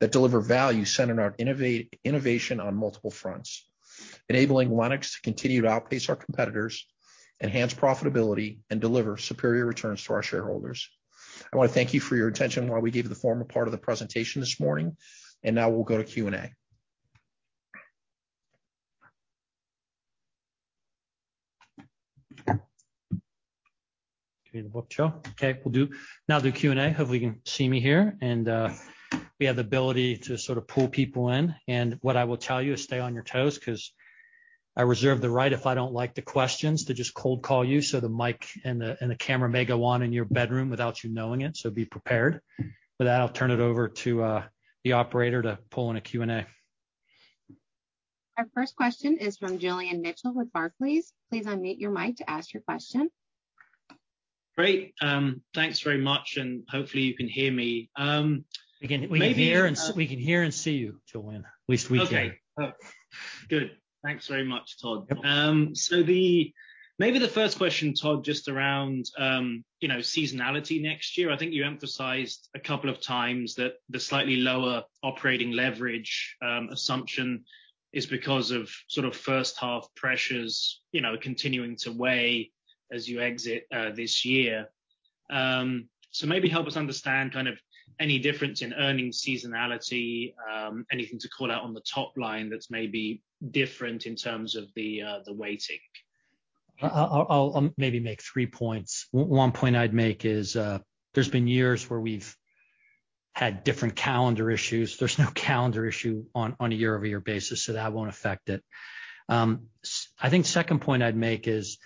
that deliver value centered on innovation on multiple fronts, enabling Lennox to continue to outpace our competitors, enhance profitability, and deliver superior returns to our shareholders. I wanna thank you for your attention while we gave you the formal part of the presentation this morning, and now we'll go to Q&A. Give me the book, Joe. Okay, will do. Now the Q&A. Hopefully, you can see me here. We have the ability to sort of pull people in. What I will tell you is stay on your toes 'cause I reserve the right if I don't like the questions to just cold call you so the mic and the camera may go on in your bedroom without you knowing it, so be prepared. With that, I'll turn it over to the operator to pull in a Q&A. Our first question is from Julian Mitchell with Barclays. Please unmute your mic to ask your question. Great. Thanks very much, and hopefully you can hear me. We can hear and see you, Julian. At least we can. Okay, oh. Good. Thanks very much, Todd. Yep. Maybe the first question, Todd, just around, you know, seasonality next year. I think you emphasized a couple of times that the slightly lower operating leverage assumption is because of sort of first half pressures, you know, continuing to weigh as you exit this year. Maybe help us understand kind of any difference in earnings seasonality, anything to call out on the top line that's maybe different in terms of the weighting. I'll maybe make three points. One point I'd make is, there's been years where we've had different calendar issues. There's no calendar issue on a year-over-year basis, so that won't affect it. I think second point I'd make is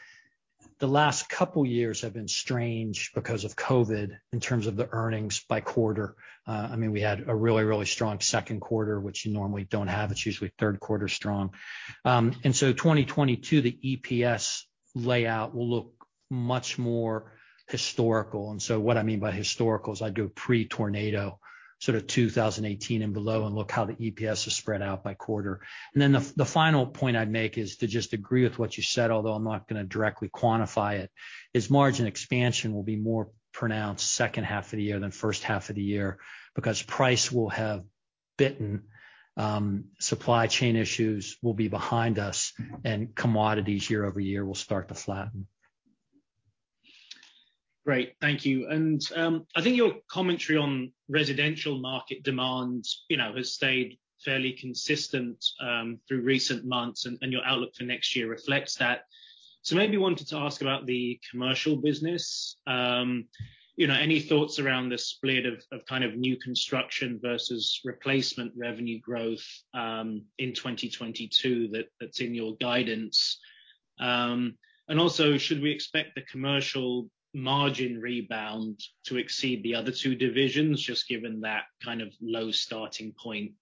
the last couple years have been strange because of COVID in terms of the earnings by quarter. I mean, we had a really strong second quarter, which you normally don't have. It's usually third quarter strong. 2022, the EPS layout will look much more historical. What I mean by historical is I'd go pre-tornado, sort of 2018 and below, and look how the EPS is spread out by quarter. The final point I'd make is to just agree with what you said, although I'm not gonna directly quantify it, is margin expansion will be more pronounced second half of the year than first half of the year because price will have bitten, supply chain issues will be behind us, and commodities year-over-year will start to flatten. Great. Thank you. I think your commentary on residential market demand, you know, has stayed fairly consistent through recent months, and your outlook for next year reflects that. Maybe wanted to ask about the commercial business. You know, any thoughts around the split of kind of new construction versus replacement revenue growth in 2022 that's in your guidance? Also, should we expect the commercial margin rebound to exceed the other two divisions, just given that kind of low starting point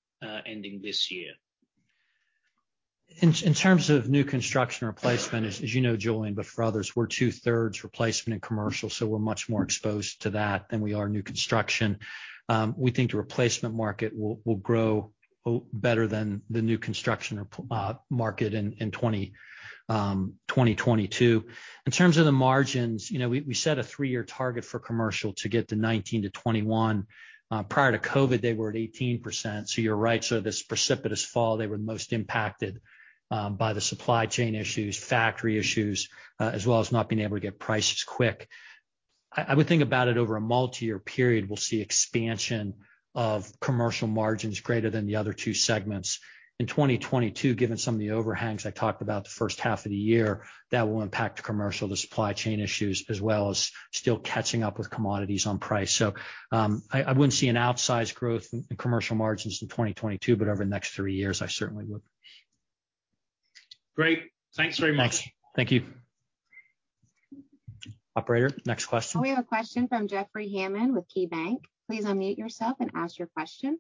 ending this year? In terms of new construction replacement, as you know, Julian, but for others, we're two-thirds replacement and commercial, so we're much more exposed to that than we are new construction. We think the replacement market will grow better than the new construction market in 2022. In terms of the margins, we set a three-year target for commercial to get to 19%-21%. Prior to COVID, they were at 18%, so you're right. This precipitous fall, they were most impacted by the supply chain issues, factory issues, as well as not being able to get prices quick. I would think about it over a multi-year period, we'll see expansion of commercial margins greater than the other two segments. In 2022, given some of the overhangs I talked about the first half of the year, that will impact commercial, the supply chain issues, as well as still catching up with commodities on price. I wouldn't see an outsized growth in commercial margins in 2022, but over the next three years, I certainly would. Great. Thanks very much. Thanks. Thank you. Operator, next question. We have a question from Jeffrey Hammond with KeyBanc. Please unmute yourself and ask your question.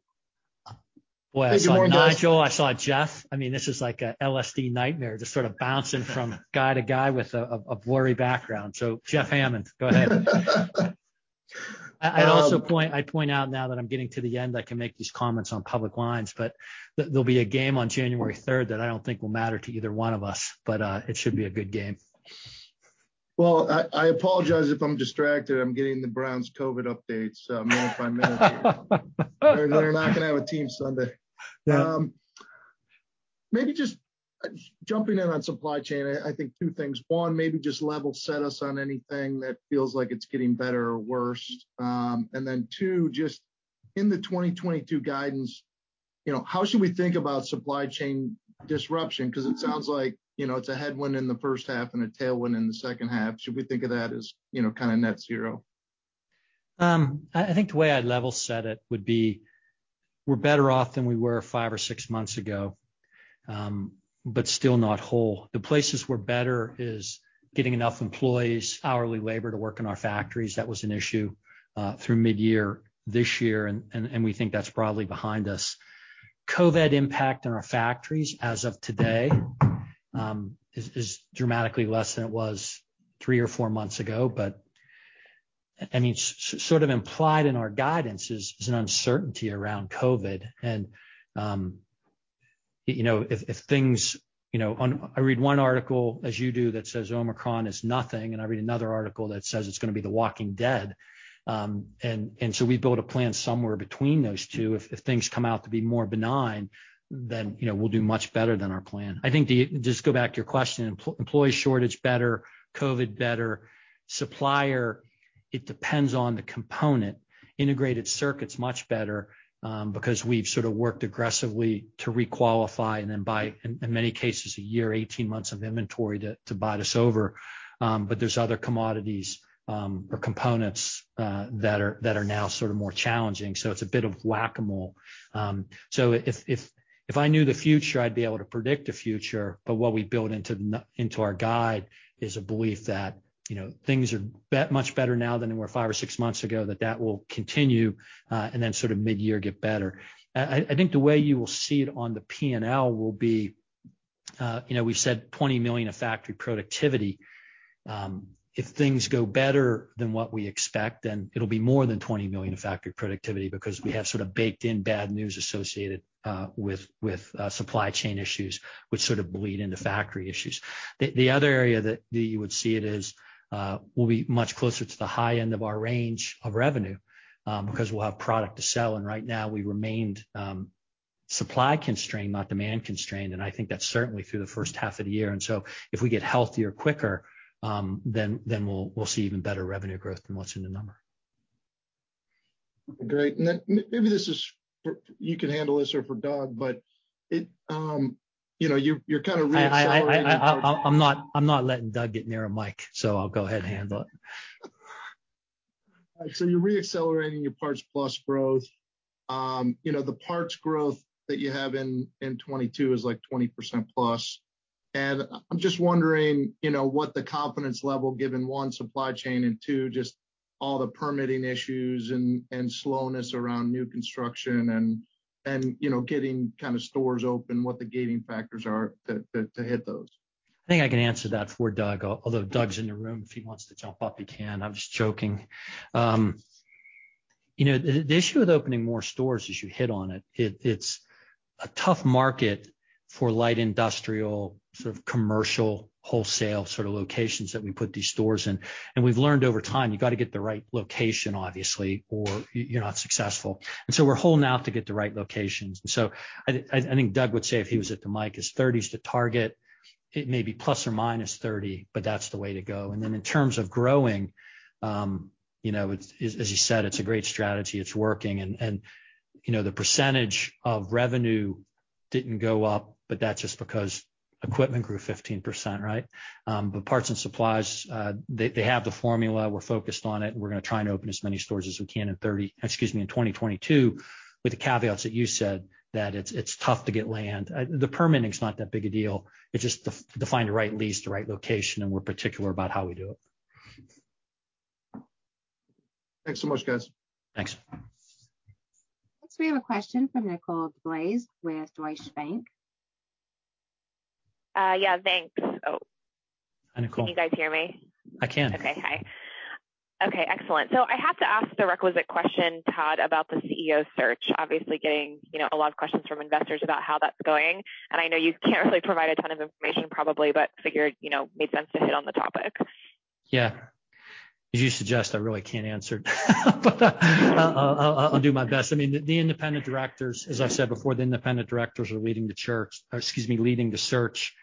Boy, I saw Nigel, I saw Jeff. I mean, this is like a LSD nightmare, just sort of bouncing from guy to guy with a blurry background. Jeffrey Hammond, go ahead. I'd also point out now that I'm getting to the end, I can make these comments on public lines, but there'll be a game on January third that I don't think will matter to either one of us, but it should be a good game. Well, I apologize if I'm distracted. I'm getting the Browns COVID updates, so I mean, if I may. They're not gonna have a team Sunday. Yeah. Maybe just jumping in on supply chain, I think two things. One, maybe just level set us on anything that feels like it's getting better or worse. Two, just in the 2022 guidance, you know, how should we think about supply chain disruption? 'Cause it sounds like, you know, it's a headwind in the first half and a tailwind in the second half. Should we think of that as, you know, kinda net zero? I think the way I'd level set it would be we're better off than we were five or six months ago, but still not whole. The places we're better is getting enough employees, hourly labor to work in our factories. That was an issue through midyear this year, and we think that's broadly behind us. COVID impact on our factories as of today is dramatically less than it was three or four months ago. But I mean, sort of implied in our guidance is an uncertainty around COVID. I read one article, as you do, that says Omicron is nothing, and I read another article that says it's gonna be The Walking Dead. So we build a plan somewhere between those two. If things come out to be more benign, then, you know, we'll do much better than our plan. I think just go back to your question, employee shortage better, COVID better. Supplier, it depends on the component. Integrated circuits much better, because we've sort of worked aggressively to requalify and then buy, in many cases, a year, 18 months of inventory to buy this over. But there's other commodities or components that are that are now sort of more challenging, so it's a bit of whack-a-mole. If I knew the future, I'd be able to predict the future, but what we build into our guide is a belief that, you know, things are much better now than they were five or six months ago, that will continue, and then sort of midyear get better. I think the way you will see it on the P&L will be, you know, we've said $20 million of factory productivity. If things go better than what we expect, then it'll be more than $20 million of factory productivity because we have sort of baked in bad news associated with supply chain issues which sort of bleed into factory issues. The other area that you would see it is will be much closer to the high end of our range of revenue, because we'll have product to sell. Right now, we remained supply constrained, not demand constrained, and I think that's certainly through the first half of the year. If we get healthier quicker, then we'll see even better revenue growth than what's in the number. Great. Maybe this is for you. You can handle this or for Doug, but it, you know, you're kind of re- I'm not letting Doug get near a mic, so I'll go ahead and handle it. You're reaccelerating your Parts Plus growth. You know, the parts growth that you have in 2022 is like 20% plus. I'm just wondering, you know, what the confidence level given, one, supply chain, and two, just all the permitting issues and slowness around new construction and you know, getting kind of stores open, what the gating factors are to hit those. I think I can answer that for Doug, although Doug's in the room. If he wants to jump up, he can. I'm just joking. You know, the issue with opening more stores is you hit on it. It's a tough market for light industrial, sort of commercial, wholesale sort of locations that we put these stores in. We've learned over time, you've got to get the right location, obviously, or you're not successful. We're holding out to get the right locations. I think Doug would say if he was at the mic, it's in the 30s, the target. It may be ±30, but that's the way to go. In terms of growing, you know, as you said, it's a great strategy. It's working. You know, the percentage of revenue didn't go up, but that's just because equipment grew 15%, right? Parts and supplies, they have the formula. We're focused on it. We're gonna try and open as many stores as we can in 2022 with the caveats that you said, that it's tough to get land. The permitting is not that big a deal. It's just to find the right lease, the right location, and we're particular about how we do it. Thanks so much, guys. Thanks. Next, we have a question from Nicole DeBlase with Deutsche Bank. Yeah, thanks. Oh. Hi, Nicole. Can you guys hear me? I can. Okay, hi. Okay, excellent. I have to ask the requisite question, Todd, about the CEO search. Obviously getting, you know, a lot of questions from investors about how that's going. I know you can't really provide a ton of information probably, but figured, you know, made sense to hit on the topic. Yeah. As you suggest, I really can't answer. I'll do my best. I mean, the independent directors, as I said before, the independent directors are leading the search.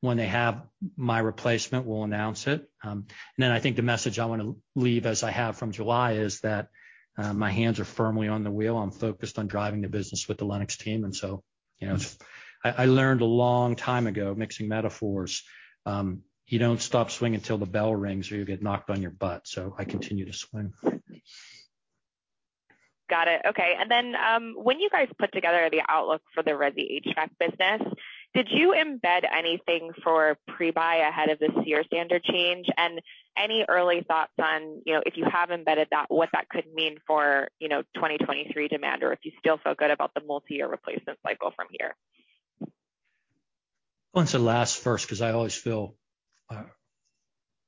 When they have my replacement, we'll announce it. I think the message I want to leave as I have from July is that, my hands are firmly on the wheel. I'm focused on driving the business with the Lennox team. You know, I learned a long time ago, mixing metaphors, you don't stop swinging till the bell rings or you get knocked on your butt. I continue to swing. Got it. Okay. When you guys put together the outlook for the resi HVAC business, did you embed anything for pre-buy ahead of the SEER standard change? Any early thoughts on, you know, if you have embedded that, what that could mean for, you know, 2023 demand, or if you still feel good about the multi-year replacement cycle from here? I'll answer the last first because I always feel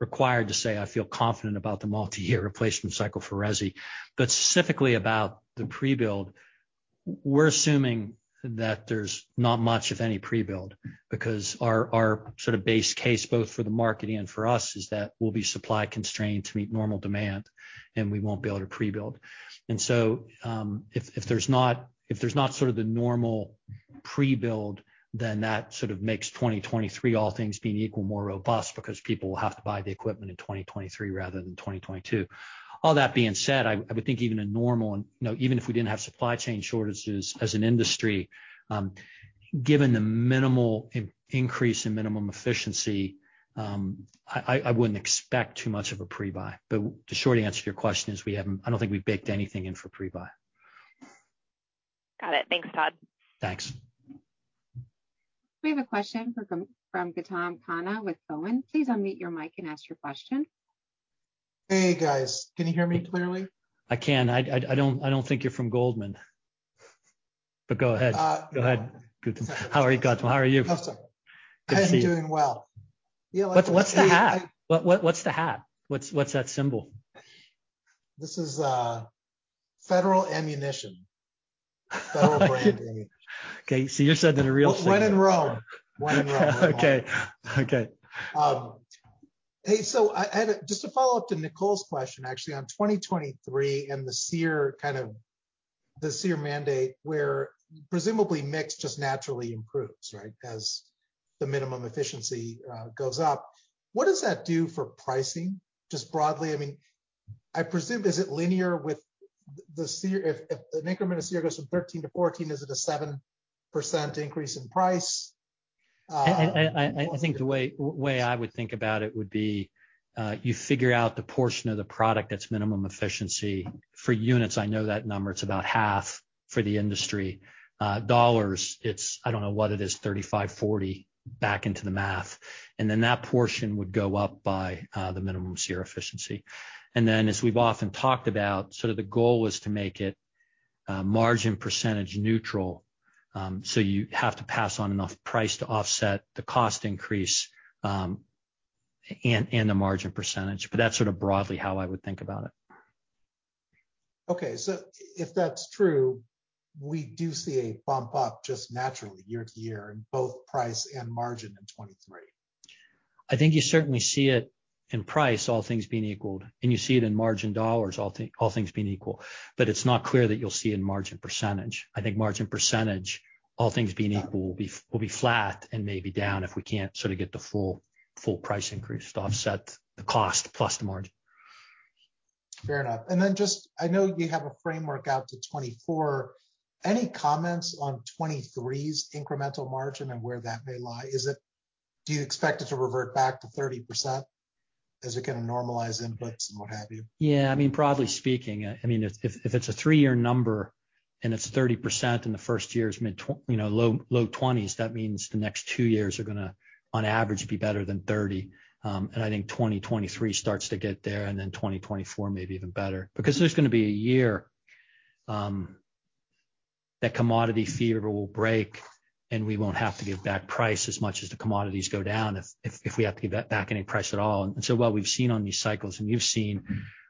required to say I feel confident about the multi-year replacement cycle for resi. Specifically about the pre-build, we're assuming that there's not much of any pre-build because our sort of base case both for the market and for us is that we'll be supply constrained to meet normal demand, and we won't be able to pre-build. So, if there's not sort of the normal pre-build, then that sort of makes 2023 all things being equal, more robust because people will have to buy the equipment in 2023 rather than 2022. All that being said, I would think even a normal, you know, even if we didn't have supply chain shortages as an industry, given the minimal increase in minimum efficiency, I wouldn't expect too much of a pre-buy. The short answer to your question is we haven't. I don't think we've baked anything in for pre-buy. Got it. Thanks, Todd. Thanks. We have a question from Gautam Khanna with Cowen. Please unmute your mic and ask your question. Hey, guys. Can you hear me clearly? I can. I don't think you're from Cowen. Go ahead. Uh- Go ahead, Gautam. How are you, Gautam? How are you? Oh, sorry. Good to see you. I am doing well. You know. What's the hat? What's that symbol? This is Federal Ammunition. Federal brand ammunition. Okay. So you're sitting in a real. When in Rome. Okay. Okay. Just to follow up to Nicole's question, actually on 2023 and the SEER, kind of the SEER mandate, where presumably mix just naturally improves, right? As the minimum efficiency goes up. What does that do for pricing? Just broadly, I mean, I presume, is it linear with the SEER? If an increment of SEER goes from 13 to 14, is it a 7% increase in price? I think the way I would think about it would be you figure out the portion of the product that's minimum efficiency. For units, I know that number, it's about half for the industry. Dollars, it's I don't know what it is, 35%-40% back into the math. That portion would go up by the minimum SEER efficiency. As we've often talked about, sort of the goal was to make it margin percentage neutral. You have to pass on enough price to offset the cost increase, and the margin percentage. That's sort of broadly how I would think about it. Okay. If that's true, we do see a bump up just naturally year to year in both price and margin in 2023. I think you certainly see it in price, all things being equal. You see it in margin dollars, all things being equal. It's not clear that you'll see it in margin percentage. I think margin percentage, all things being equal, will be flat and maybe down if we can't sort of get the full price increase to offset the cost plus the margin. Fair enough. Just, I know you have a framework out to 2024. Any comments on 2023's incremental margin and where that may lie? Do you expect it to revert back to 30% as it kind of normalize inputs and what have you? Yeah. I mean, broadly speaking, if it's a three-year number and it's 30% in the first year, you know, low 20s%, that means the next two years are gonna on average be better than 30%. I think 2023 starts to get there, and then 2024 maybe even better. Because there's gonna be a year that commodity fever will break, and we won't have to give back price as much as the commodities go down if we have to give back any price at all. What we've seen on these cycles, and you've seen,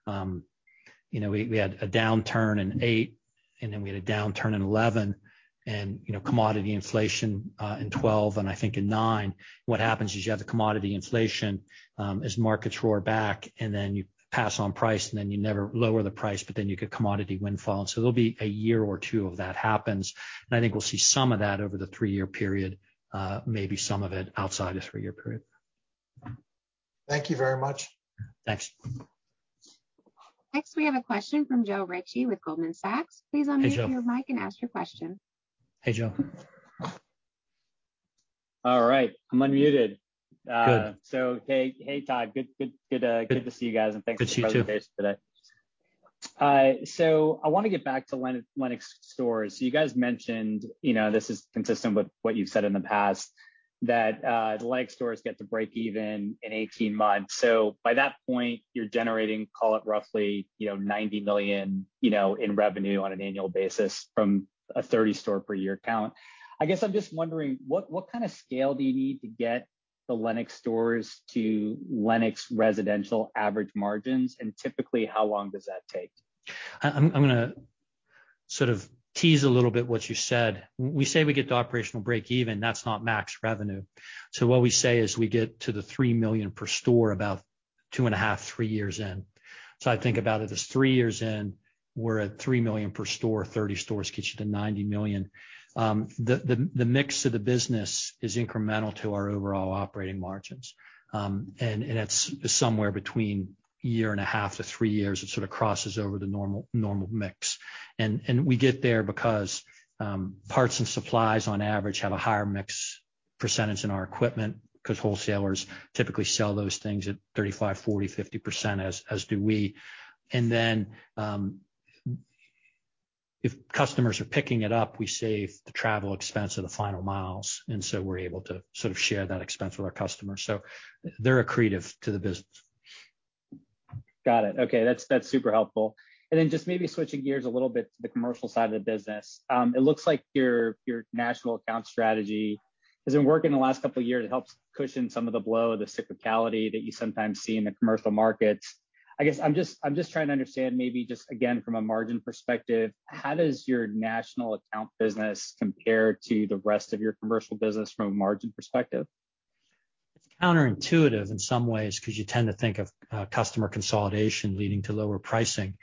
you know, we had a downturn in 2008, and then we had a downturn in 2011 and, you know, commodity inflation in 2012 and I think in 2009. What happens is you have the commodity inflation, as markets roar back, and then you pass on price, and then you never lower the price, but then you get commodity windfall. There'll be a year or two of that happens. I think we'll see some of that over the three-year period, maybe some of it outside this three-year period. Thank you very much. Thanks. Next, we have a question from Joe Ritchie with Goldman Sachs. Hey, Joe. Please unmute your mic and ask your question. Hey, Joe. All right. I'm unmuted. Good. Hey, Todd. Good to see you guys and thanks for the presentation today. Good to see you too. I wanna get back to Lennox Stores. You guys mentioned, you know, this is consistent with what you've said in the past, that, the Lennox Stores get to break even in 18 months. By that point, you're generating, call it roughly, you know, $90 million, you know, in revenue on an annual basis from a 30 store per year count. I guess I'm just wondering, what kind of scale do you need to get the Lennox Stores to Lennox Residential average margins? And typically, how long does that take? I'm gonna sort of tease a little bit what you said. We say we get to operational break even. That's not max revenue. What we say is we get to the $3 million per store about two and a half, three years in. I think about it as three years in, we're at $3 million per store, 30 stores gets you to $90 million. The mix of the business is incremental to our overall operating margins. It's somewhere between a year and a half to three years, it sort of crosses over the normal mix. We get there because parts and supplies on average have a higher mix percentage in our equipment 'cause wholesalers typically sell those things at 35%, 40%, 50%, as do we. if customers are picking it up, we save the travel expense of the final miles, and so we're able to sort of share that expense with our customers. They're accretive to the business. Got it. Okay. That's super helpful. Then just maybe switching gears a little bit to the commercial side of the business. It looks like your national account strategy has been working the last couple of years. It helps cushion some of the blow of the cyclicality that you sometimes see in the commercial markets. I guess I'm just trying to understand maybe just again, from a margin perspective, how does your national account business compare to the rest of your commercial business from a margin perspective? It's counterintuitive in some ways 'cause you tend to think of customer consolidation leading to lower pricing.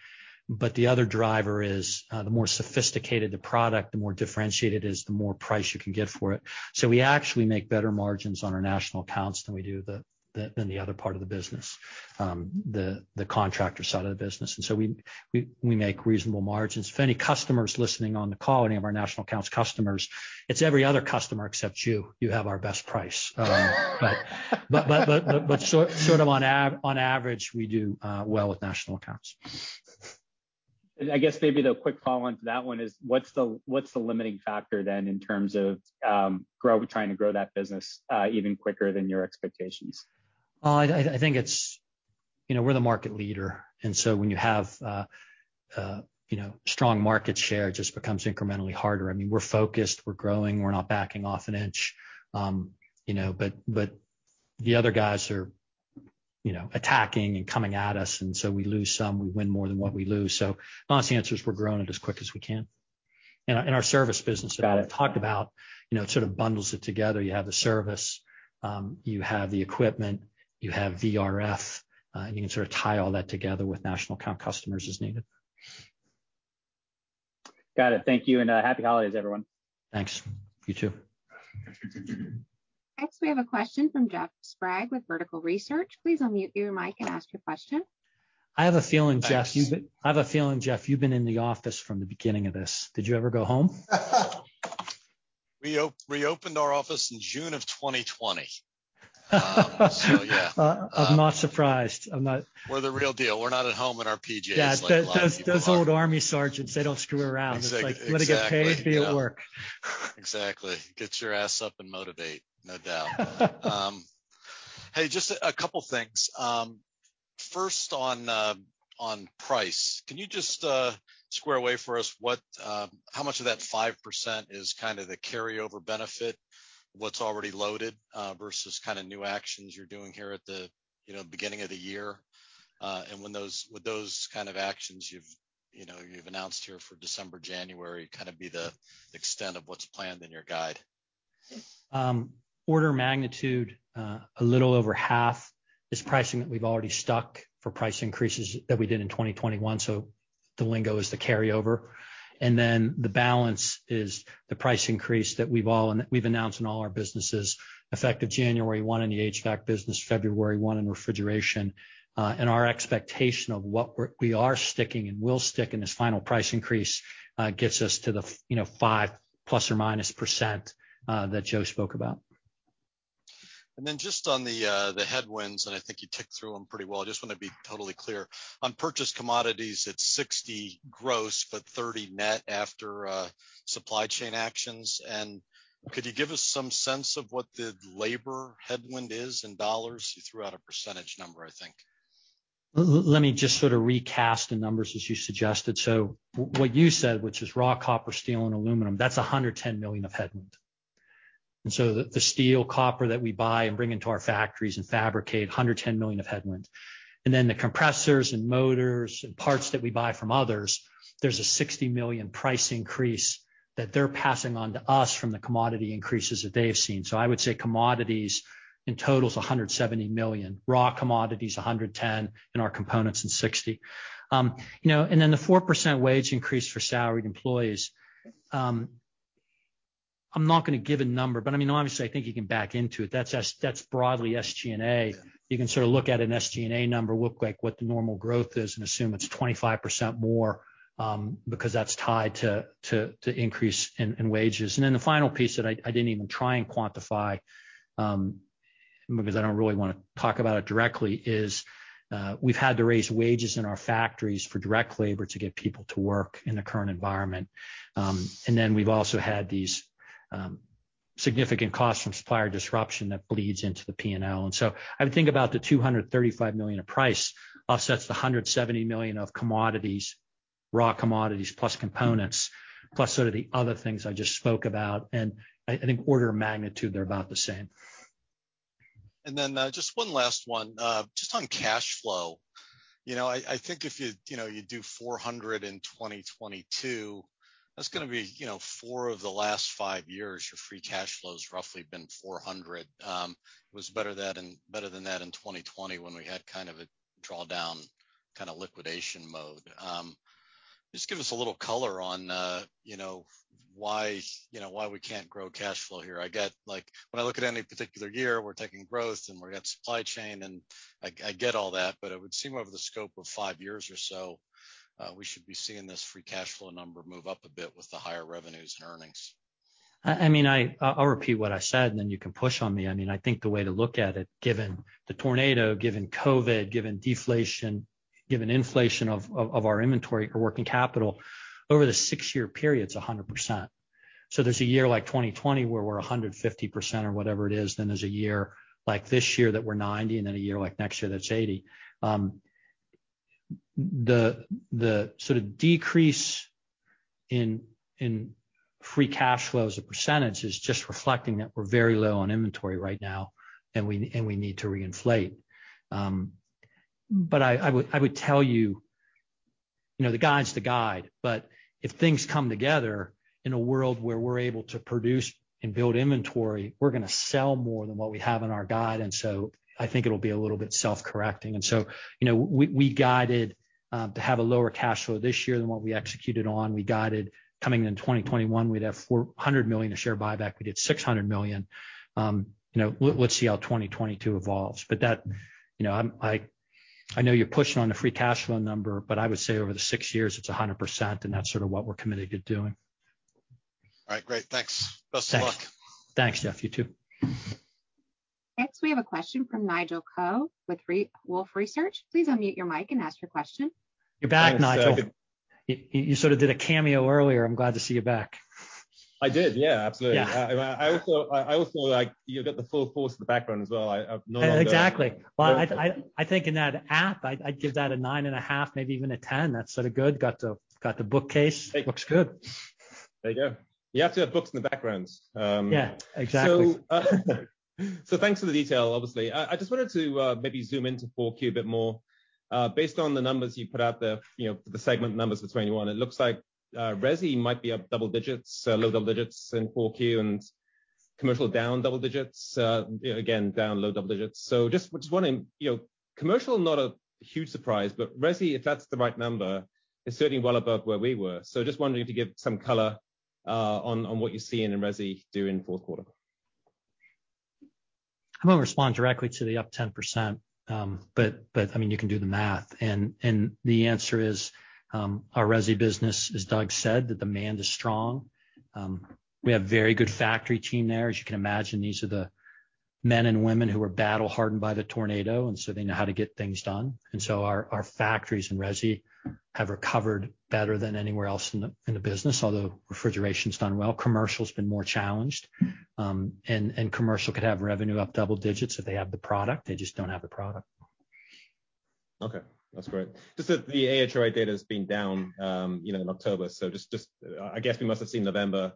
The other driver is the more sophisticated the product, the more differentiated is, the more price you can get for it. We actually make better margins on our national accounts than we do the other part of the business, the contractor side of the business. We make reasonable margins. If any customer is listening on the call, any of our national accounts customers, it's every other customer except you. You have our best price. Sort of on average, we do well with national accounts. I guess maybe the quick follow on to that one is what's the limiting factor then in terms of trying to grow that business even quicker than your expectations? I think it's, you know, we're the market leader, and so when you have, you know, strong market share, it just becomes incrementally harder. I mean, we're focused, we're growing, we're not backing off an inch. You know, but the other guys are, you know, attacking and coming at us, and so we lose some. We win more than what we lose. Honest answer is we're growing it as quick as we can. Our service business. Got it. That I've talked about, you know, it sort of bundles it together. You have the service, you have the equipment, you have VRF, and you can sort of tie all that together with national account customers as needed. Got it. Thank you. Happy holidays, everyone. Thanks. You too. Next, we have a question from Jeff Sprague with Vertical Research. Please unmute your mic and ask your question. I have a feeling, Jeff. Thanks. I have a feeling, Jeff, you've been in the office from the beginning of this. Did you ever go home? We reopened our office in June of 2020. Yeah. I'm not surprised. I'm not. We're the real deal. We're not at home in our PJs like a lot of people are. Yeah. Those old Army sergeants, they don't screw around. Exactly. It's like, "Let it get paid, be at work. Exactly. Get your ass up and motivate. No doubt. Hey, just a couple things. First on price, can you just square away for us what, how much of that 5% is kind of the carryover benefit, what's already loaded, versus kind of new actions you're doing here at the, you know, beginning of the year? With those kind of actions you've announced here for December, January, kind of be the extent of what's planned in your guide. Order of magnitude, a little over half is pricing that we've already taken for price increases that we did in 2021, so the lingering is the carryover. The balance is the price increase that we've announced in all our businesses effective January 1 in the HVAC business, February 1 in refrigeration. Our expectation of what we are taking and will take in this final price increase gets us to the, you know, 5%± that Joe spoke about. Then just on the headwinds, and I think you ticked through them pretty well, I just wanna be totally clear. On purchased commodities at $60 million gross, but $30 million net after supply chain actions. Could you give us some sense of what the labor headwind is in dollars? You threw out a percentage number, I think. Let me just sort of recast the numbers as you suggested. What you said, which is raw copper, steel, and aluminum, that's $110 million of headwind. The steel, copper that we buy and bring into our factories and fabricate, $110 million of headwind. The compressors and motors and parts that we buy from others, there's a $60 million price increase that they're passing on to us from the commodity increases that they have seen. I would say commodities in total is $170 million. Raw commodities, $110, and our components in $60. You know, the 4% wage increase for salaried employees, I'm not gonna give a number, but I mean, obviously, I think you can back into it. That's broadly SG&A. Yeah. You can sort of look at an SG&A number, look like what the normal growth is, and assume it's 25% more, because that's tied to increase in wages. The final piece that I didn't even try and quantify, because I don't really wanna talk about it directly, is we've had to raise wages in our factories for direct labor to get people to work in the current environment. We've also had these significant costs from supplier disruption that bleeds into the P&L. I would think about the $235 million of price offsets, the $170 million of commodities, raw commodities plus components, plus sort of the other things I just spoke about. I think order of magnitude, they're about the same. Just one last one. Just on cash flow. You know, I think if you know, you do $400 million in 2022, that's gonna be, you know, four of the last five years, your free cash flow's roughly been $400 million. It was better than that in 2020 when we had kind of a drawdown, kind of liquidation mode. Just give us a little color on, you know, why, you know, why we can't grow cash flow here. I get, like, when I look at any particular year, we're taking growth and we're getting supply chain, and I get all that, but it would seem over the scope of five years or so, we should be seeing this free cash flow number move up a bit with the higher revenues and earnings. I mean, I'll repeat what I said, and then you can push on me. I mean, I think the way to look at it, given the tornado, given COVID, given deflation, given inflation of our inventory or working capital, over the six-year period, it's 100%. There's a year like 2020 where we're 150% or whatever it is, then there's a year like this year that we're 90%, and then a year like next year that's 80%. The sort of decrease in free cash flow as a percentage is just reflecting that we're very low on inventory right now, and we need to reinflate. I would tell you know, the guide's the guide, but if things come together in a world where we're able to produce and build inventory, we're gonna sell more than what we have in our guide. I think it'll be a little bit self-correcting. You know, we guided to have a lower cash flow this year than what we executed on. We guided coming into 2021, we'd have $400 million of share buyback. We did $600 million. You know, let's see how 2022 evolves. That, you know, I know you're pushing on the free cash flow number, but I would say over the six years, it's 100%, and that's sort of what we're committed to doing. All right. Great. Thanks. Thanks. Best of luck. Thanks, Jeff. You too. Next, we have a question from Nigel Coe with Wolfe Research. Please unmute your mic and ask your question. You're back, Nigel. Thanks, Jeff. You sort of did a cameo earlier. I'm glad to see you back. I did. Yeah, absolutely. Yeah. I also like you've got the full force of the background as well. I've no longer Exactly. Well, I think in that app, I'd give that a nine and a half, maybe even a 10. That's sort of good. Got the bookcase. Looks good. There you go. You have to have books in the background. Yeah, exactly. Thanks for the detail, obviously. I just wanted to maybe zoom into 4Q a bit more. Based on the numbers you put out there, you know, the segment numbers for 21, it looks like resi might be up double digits, low double digits in 4Q, and commercial down double digits, you know, again, down low double digits. Just wondering, you know, commercial, not a huge surprise, but resi, if that's the right number, is certainly well above where we were. Just wondering if you could give some color on what you're seeing in resi, too, in fourth quarter. I won't respond directly to the up 10%, but I mean, you can do the math. The answer is our resi business, as Doug said, the demand is strong. We have very good factory team there. As you can imagine, these are the men and women who are battle-hardened by the tornado, and so they know how to get things done. Our factories in resi have recovered better than anywhere else in the business, although Refrigeration's done well. Commercial's been more challenged. Commercial could have revenue up double digits if they have the product. They just don't have the product. Okay, that's great. Just that the AHRI data has been down, you know, in October. Just, I guess we must have seen November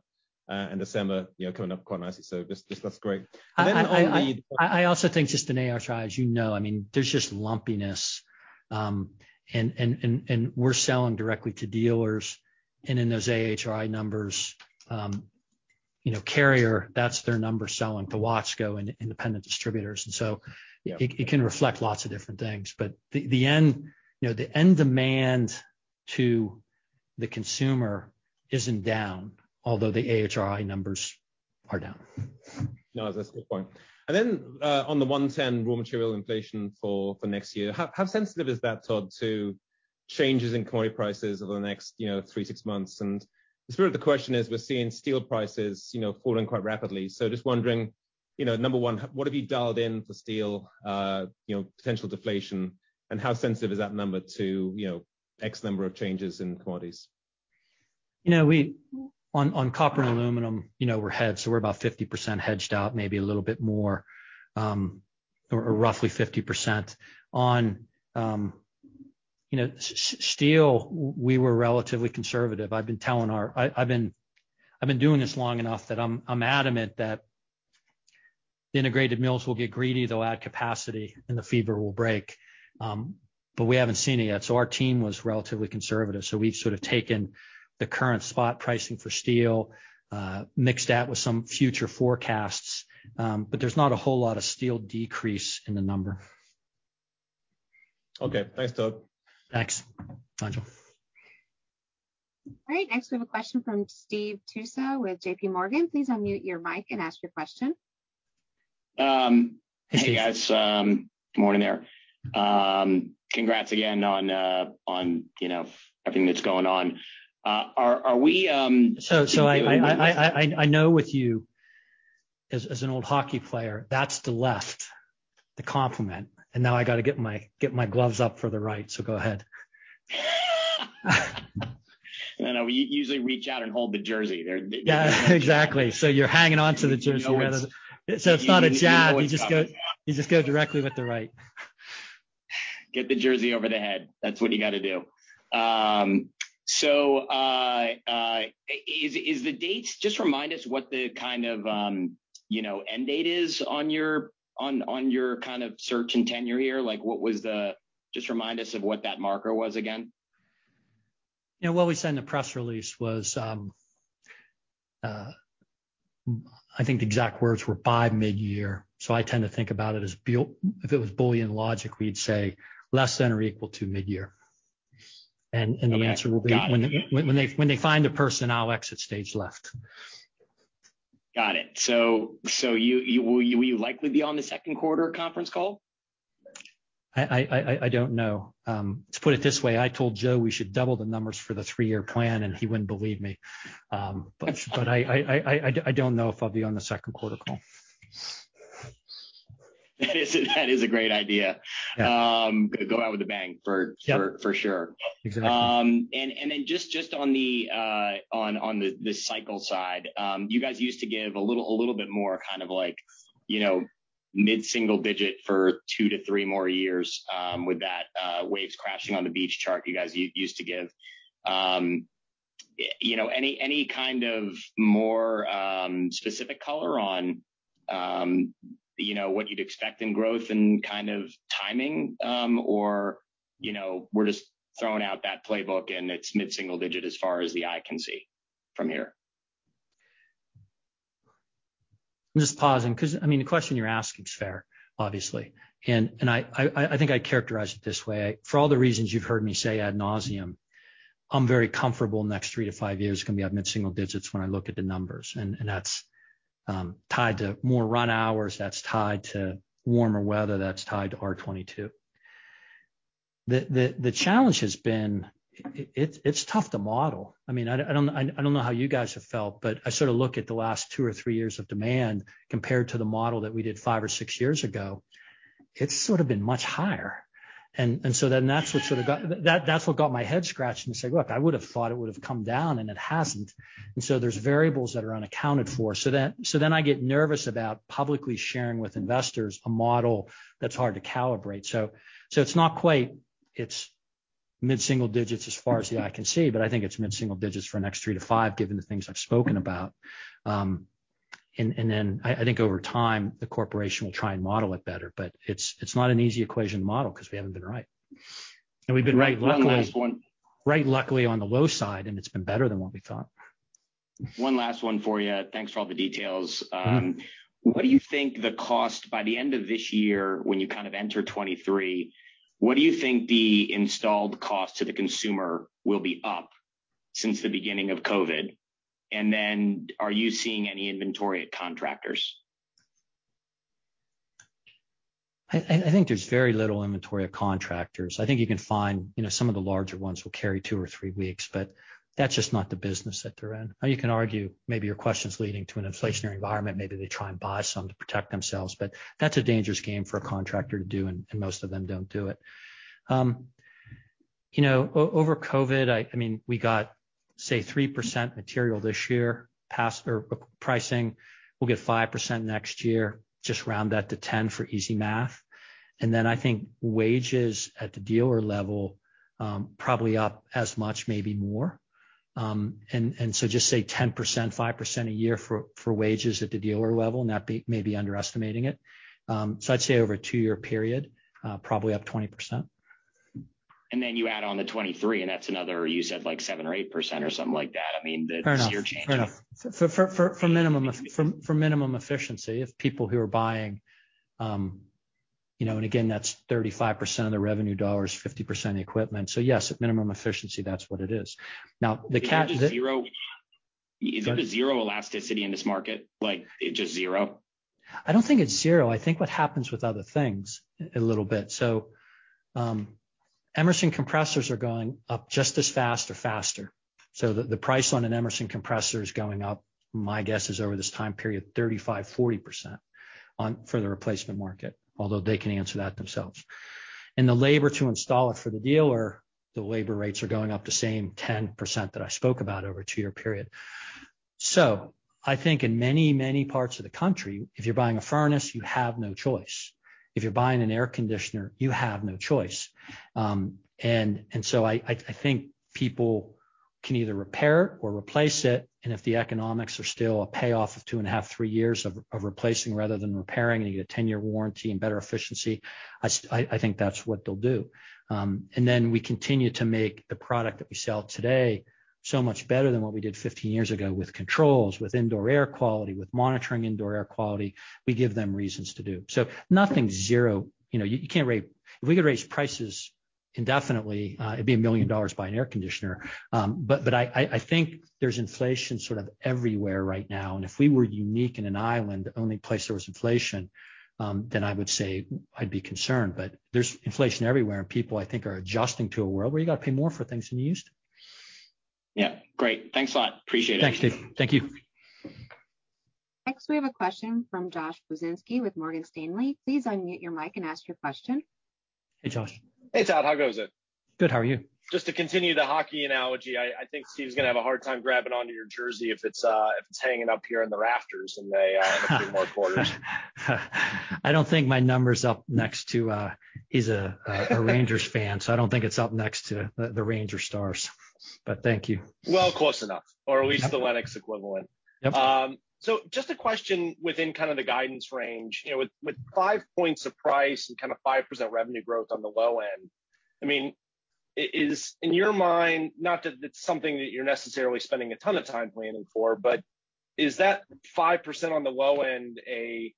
and December, you know, coming up quite nicely. Just that's great. On the. I also think just in AHRI, as you know, I mean, there's just lumpiness. We're selling directly to dealers. In those AHRI numbers, you know, Carrier, that's their number selling to Watsco and independent distributors. Yeah. It can reflect lots of different things. The end, you know, the end demand to the consumer isn't down, although the AHRI numbers are down. No, that's a good point. On the 110 raw material inflation for next year, how sensitive is that, Todd, to changes in commodity prices over the next, you know, three, six months? The spirit of the question is we're seeing steel prices, you know, falling quite rapidly. Just wondering, you know, number one, what have you dialed in for steel, you know, potential deflation? How sensitive is that number to, you know, X number of changes in commodities? You know, on copper and aluminum, you know, we're hedged, so we're about 50% hedged out, maybe a little bit more, or roughly 50%. On, you know, steel, we were relatively conservative. I've been doing this long enough that I'm adamant that integrated mills will get greedy. They'll add capacity, and the fever will break. But we haven't seen it yet, so our team was relatively conservative. We've sort of taken the current spot pricing for steel, mixed that with some future forecasts. But there's not a whole lot of steel decrease in the number. Okay. Thanks, Todd. Thanks, Nigel. All right. Next, we have a question from Steve Tusa with JPMorgan. Please unmute your mic and ask your question. Hey, guys. Good morning there. Congrats again on you know, everything that's going on. Are we? I know with you as an old hockey player, that's the left, the compliment, and now I gotta get my gloves up for the right, so go ahead. I know you usually reach out and hold the jersey there. Yeah, exactly. You're hanging on to the jersey. You know it's. It's not a jab. You know it's coming. You just go directly with the right. Get the jersey over the head. That's what you gotta do. Just remind us what the kind of, you know, end date is on your kind of search and tenure here. Like, what was the. Just remind us of what that marker was again. You know, what we said in the press release was, I think the exact words were by mid-year. I tend to think about it as if it was Boolean logic, we'd say less than or equal to mid-year. Okay. Got it. The answer will be when they find a person. I'll exit stage left. Got it. Will you likely be on the second quarter conference call? I don't know. Let's put it this way. I told Joe we should double the numbers for the three-year plan, and he wouldn't believe me. I don't know if I'll be on the second quarter call. That is a great idea. Yeah. Go out with a bang for. Yeah for sure. Exactly. Then just on the cycle side, you guys used to give a little bit more kind of like, you know, mid-single digit for two to three more years, with that waves crashing on the beach chart you guys used to give. You know, any kind of more specific color on, you know, what you'd expect in growth and kind of timing, or, you know, we're just throwing out that playbook, and it's mid-single digit as far as the eye can see from here. I'm just pausing 'cause I mean, the question you're asking is fair, obviously. I think I'd characterize it this way. For all the reasons you've heard me say ad nauseam, I'm very comfortable next three to five years can be up mid-single digits when I look at the numbers. That's tied to more run hours, that's tied to warmer weather, that's tied to R22. The challenge has been it's tough to model. I mean, I don't know how you guys have felt, but I sort of look at the last two or three years of demand compared to the model that we did five or six years ago. It's sort of been much higher. That's what got my head scratched and said, "Look, I would have thought it would have come down, and it hasn't." There's variables that are unaccounted for. I get nervous about publicly sharing with investors a model that's hard to calibrate. It's mid-single digits as far as the eye can see, but I think it's mid-single digits for next three to five, given the things I've spoken about. I think over time, the corporation will try and model it better. It's not an easy equation to model 'cause we haven't been right. We've been right luckily. One last one. Right, luckily on the low side, and it's been better than what we thought. One last one for you. Thanks for all the details. Mm-hmm. What do you think the cost by the end of this year when you kind of enter 2023, what do you think the installed cost to the consumer will be up since the beginning of COVID? Then are you seeing any inventory at contractors? I think there's very little inventory of contractors. I think you can find, you know, some of the larger ones will carry two or three weeks, but that's just not the business that they're in. Now, you can argue maybe your question's leading to an inflationary environment. Maybe they try and buy some to protect themselves, but that's a dangerous game for a contractor to do, and most of them don't do it. You know, over COVID, I mean, we got, say, 3% material this year pass-through pricing. We'll get 5% next year. Just round that to 10 for easy math. Then I think wages at the dealer level, probably up as much, maybe more. So just say 10%, 5% a year for wages at the dealer level, and that may be underestimating it. I'd say over a two-year period, probably up 20%. You add on the 2023, and that's another, you said, like 7% or 8% or something like that. I mean, the- Fair enough. You're changing. Fair enough. For minimum efficiency of people who are buying, you know, and again, that's 35% of the revenue dollar is 50% equipment. Yes, at minimum efficiency, that's what it is. Now the cap that Is it just zero? Sorry. Is it a zero elasticity in this market? Like, it just zero? I don't think it's zero. I think what happens with other things a little bit. Emerson compressors are going up just as fast or faster, so the price on an Emerson compressor is going up, my guess is over this time period, 35%-40% for the replacement market, although they can answer that themselves. The labor to install it for the dealer, the labor rates are going up the same 10% that I spoke about over a two-year period. I think in many, many parts of the country, if you're buying a furnace, you have no choice. If you're buying an air conditioner, you have no choice. I think people can either repair or replace it, and if the economics are still a payoff of two and a half, three years of replacing rather than repairing, and you get a 10-year warranty and better efficiency, I think that's what they'll do. We continue to make the product that we sell today so much better than what we did 15 years ago with controls, with indoor air quality, with monitoring indoor air quality. We give them reasons to do. Nothing's zero. You know, you can't raise prices indefinitely. If we could raise prices indefinitely, it'd be $1 million to buy an air conditioner. I think there's inflation sort of everywhere right now. If we were unique on an island, the only place there was inflation, then I would say I'd be concerned. There's inflation everywhere, and people, I think, are adjusting to a world where you've got to pay more for things than you used to. Yeah. Great. Thanks a lot. Appreciate it. Thanks, Steve. Thank you. Next, we have a question from Josh Pokrzywinski with Morgan Stanley. Please unmute your mic and ask your question. Hey, Josh. Hey, Todd. How goes it? Good. How are you? Just to continue the hockey analogy, I think Steve's gonna have a hard time grabbing onto your jersey if it's hanging up here in the rafters in a few more quarters. I don't think my number's up next to. He's a Rangers fan. I don't think it's up next to the Rangers stars. Thank you. Well, close enough, or at least the Lennox equivalent. Yep. Just a question within kind of the guidance range. You know, with five points of price and kind of 5% revenue growth on the low end, I mean, is, in your mind, not that it's something that you're necessarily spending a ton of time planning for, but is that 5% on the low end a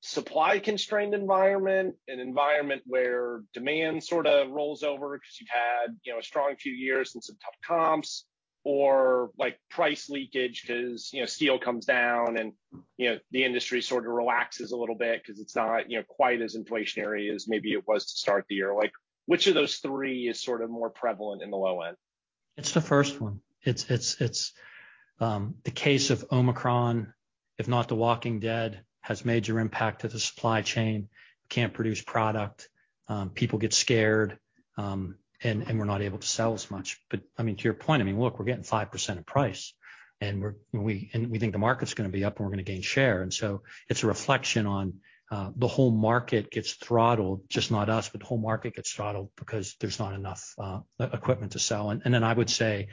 supply-constrained environment, an environment where demand sort of rolls over because you've had, you know, a strong few years and some tough comps or, like, price leakage because, you know, steel comes down and, you know, the industry sort of relaxes a little bit because it's not, you know, quite as inflationary as maybe it was to start the year. Like, which of those three is sort of more prevalent in the low end? It's the first one. It's the case of Omicron, if not the walking dead, has major impact to the supply chain. We can't produce product, people get scared, and we're not able to sell as much. I mean, to your point, I mean, look, we're getting 5% of price, and we think the market's gonna be up and we're gonna gain share. It's a reflection on the whole market gets throttled, just not us, but the whole market gets throttled because there's not enough equipment to sell. Then I would say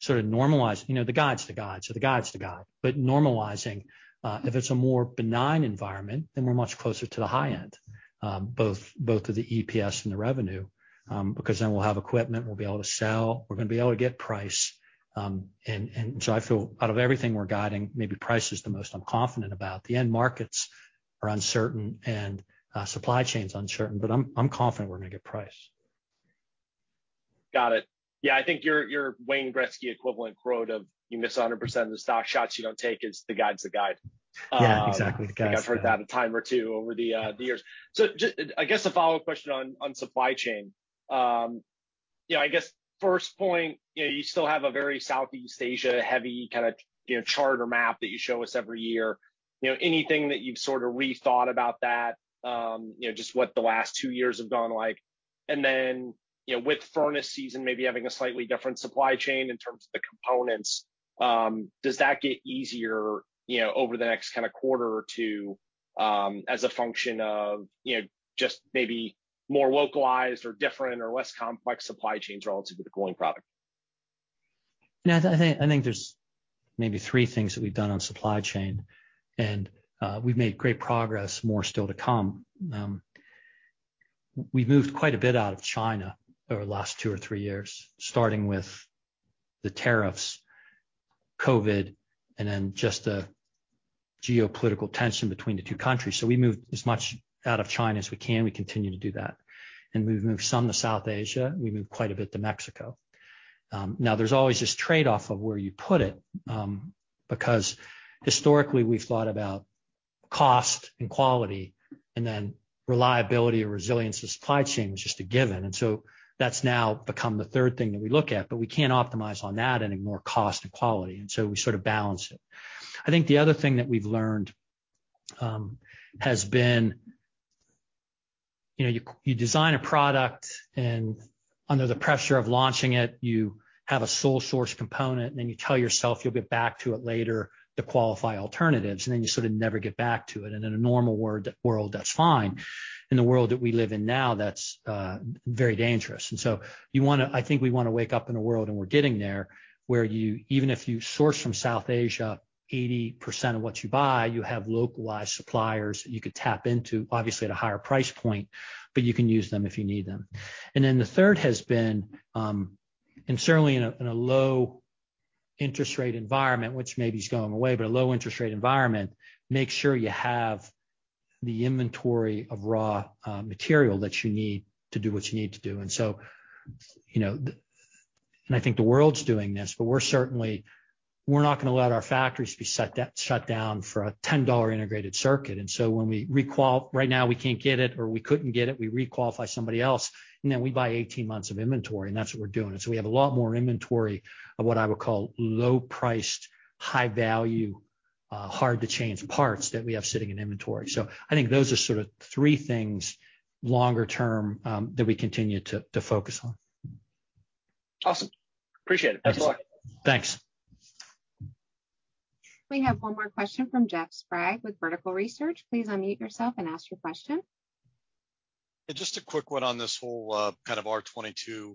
sort of normalize, you know, the guide's the guide, so the guide's the guide. Normalizing, if it's a more benign environment, then we're much closer to the high end, both of the EPS and the revenue, because then we'll have equipment we'll be able to sell. We're gonna be able to get price. I feel out of everything we're guiding, maybe price is the most I'm confident about. The end markets are uncertain and supply chain's uncertain, but I'm confident we're gonna get price. Got it. Yeah. I think your Wayne Gretzky equivalent quote of, "You miss 100% of the shots you don't take" is the guide. Yeah, exactly. The guide's the guide. I think I've heard that a time or two over the years. I guess a follow-up question on supply chain. You know, I guess first point, you know, you still have a very Southeast Asia-heavy kinda charter map that you show us every year. You know, anything that you've sorta rethought about that, you know, just what the last two years have gone like. You know, with furnace season maybe having a slightly different supply chain in terms of the components, does that get easier, you know, over the next kinda quarter or two, as a function of, you know, just maybe more localized or different or less complex supply chains relative to the cooling product? You know, I think there's maybe three things that we've done on supply chain, and we've made great progress, more still to come. We've moved quite a bit out of China over the last two or three years, starting with the tariffs, COVID, and then just the geopolitical tension between the two countries. We moved as much out of China as we can. We continue to do that. We've moved some to South Asia. We moved quite a bit to Mexico. Now there's always this trade-off of where you put it, because historically we've thought about cost and quality, and then reliability or resilience of supply chain was just a given. That's now become the third thing that we look at. We can't optimize on that and ignore cost and quality. We sort of balance it. I think the other thing that we've learned has been, you know, you design a product and under the pressure of launching it, you have a sole source component, and then you tell yourself you'll get back to it later to qualify alternatives, and then you sort of never get back to it. In a normal world, that's fine. In the world that we live in now, that's very dangerous. I think we wanna wake up in a world, and we're getting there, where you even if you source from South Asia 80% of what you buy, you have localized suppliers you could tap into, obviously at a higher price point, but you can use them if you need them. Then the third has been, and certainly in a low interest rate environment, which maybe is going away, but a low interest rate environment, make sure you have the inventory of raw material that you need to do what you need to do. You know, I think the world's doing this, but we're certainly not gonna let our factories be shut down for a $10 integrated circuit. When we can't get it or we couldn't get it, we re-qualify somebody else, and then we buy 18 months of inventory, and that's what we're doing. We have a lot more inventory of what I would call low-priced, high-value, hard-to-change parts that we have sitting in inventory. I think those are sort of three things longer term, that we continue to focus on. Awesome. Appreciate it. Best of luck. Thanks. We have one more question from Jeff Sprague with Vertical Research. Please unmute yourself and ask your question. Yeah, just a quick one on this whole kind of R22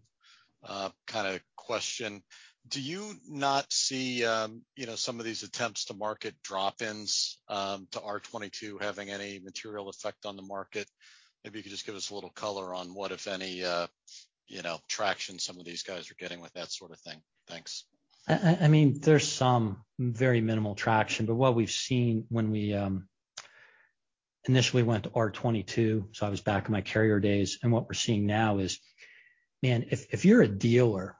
kind of question. Do you not see, you know, some of these attempts to market drop-ins to R22 having any material effect on the market? Maybe you could just give us a little color on what, if any, you know, traction some of these guys are getting with that sort of thing. Thanks. I mean, there's some very minimal traction, but what we've seen when we initially went to R22, so I was back in my Carrier days, and what we're seeing now is, man, if you're a dealer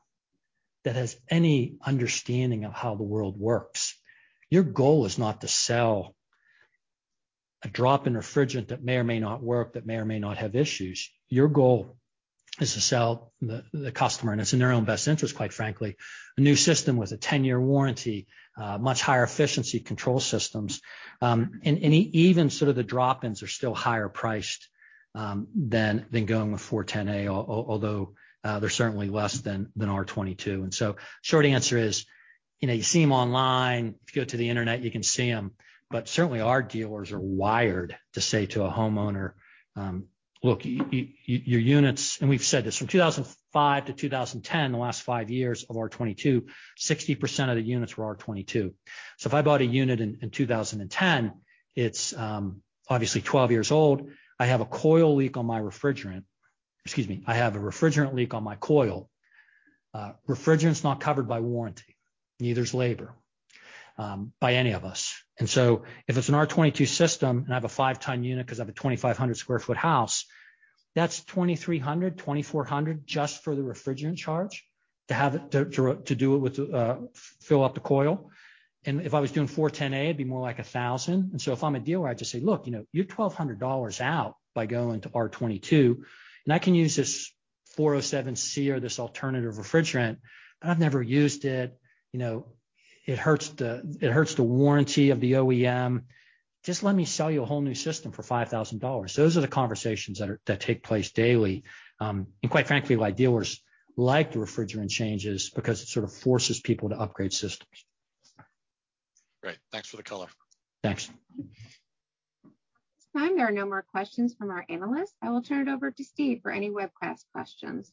that has any understanding of how the world works, your goal is not to sell a drop-in refrigerant that may or may not work, that may or may not have issues. Your goal is to sell the customer, and it's in their own best interest, quite frankly, a new system with a 10-year warranty, much higher efficiency control systems. Even sort of the drop-ins are still higher priced than going with R410A, although they're certainly less than R22. Short answer is, you know, you see them online. If you go to the internet, you can see them. Certainly our dealers are wired to say to a homeowner, "Look, your units..." We've said this, from 2005 to 2010, the last five years of R22, 60% of the units were R22. If I bought a unit in 2010, it's obviously 12 years old. I have a refrigerant leak on my coil. Refrigerant's not covered by warranty, neither is labor, by any of us. If it's an R22 system, and I have a 5 ton unit 'cause I have a 2,500 sq ft house, that's $2,300-$2,400 just for the refrigerant charge to fill up the coil. If I was doing R410A, it'd be more like $1,000. If I'm a dealer, I just say, "Look, you know, you're $1,200 out by going to R22, and I can use this 407C or this alternative refrigerant, but I've never used it. You know, it hurts the warranty of the OEM. Just let me sell you a whole new system for $5,000." Those are the conversations that take place daily, and quite frankly why dealers like the refrigerant changes because it sort of forces people to upgrade systems. Great. Thanks for the color. Thanks. At this time, there are no more questions from our analysts. I will turn it over to Steve for any webcast questions.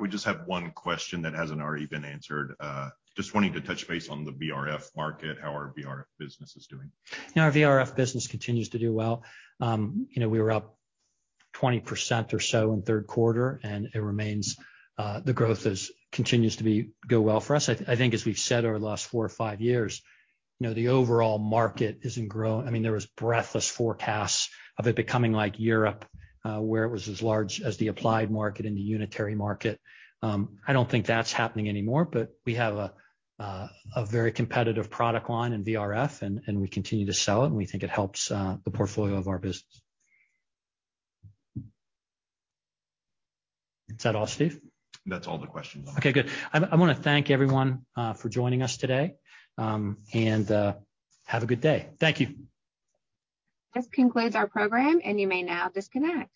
We just have one question that hasn't already been answered. Just wanting to touch base on the VRF market, how our VRF business is doing? Our VRF business continues to do well. You know, we were up 20% or so in third quarter, and it remains the growth continues to go well for us. I think as we've said over the last four or five years, you know, the overall market isn't growing. I mean, there was breathless forecasts of it becoming like Europe, where it was as large as the applied market and the unitary market. I don't think that's happening anymore. We have a very competitive product line in VRF, and we continue to sell it, and we think it helps the portfolio of our business. Is that all, Steve? That's all the questions I have. Okay, good. I wanna thank everyone for joining us today, and have a good day. Thank you. This concludes our program, and you may now disconnect.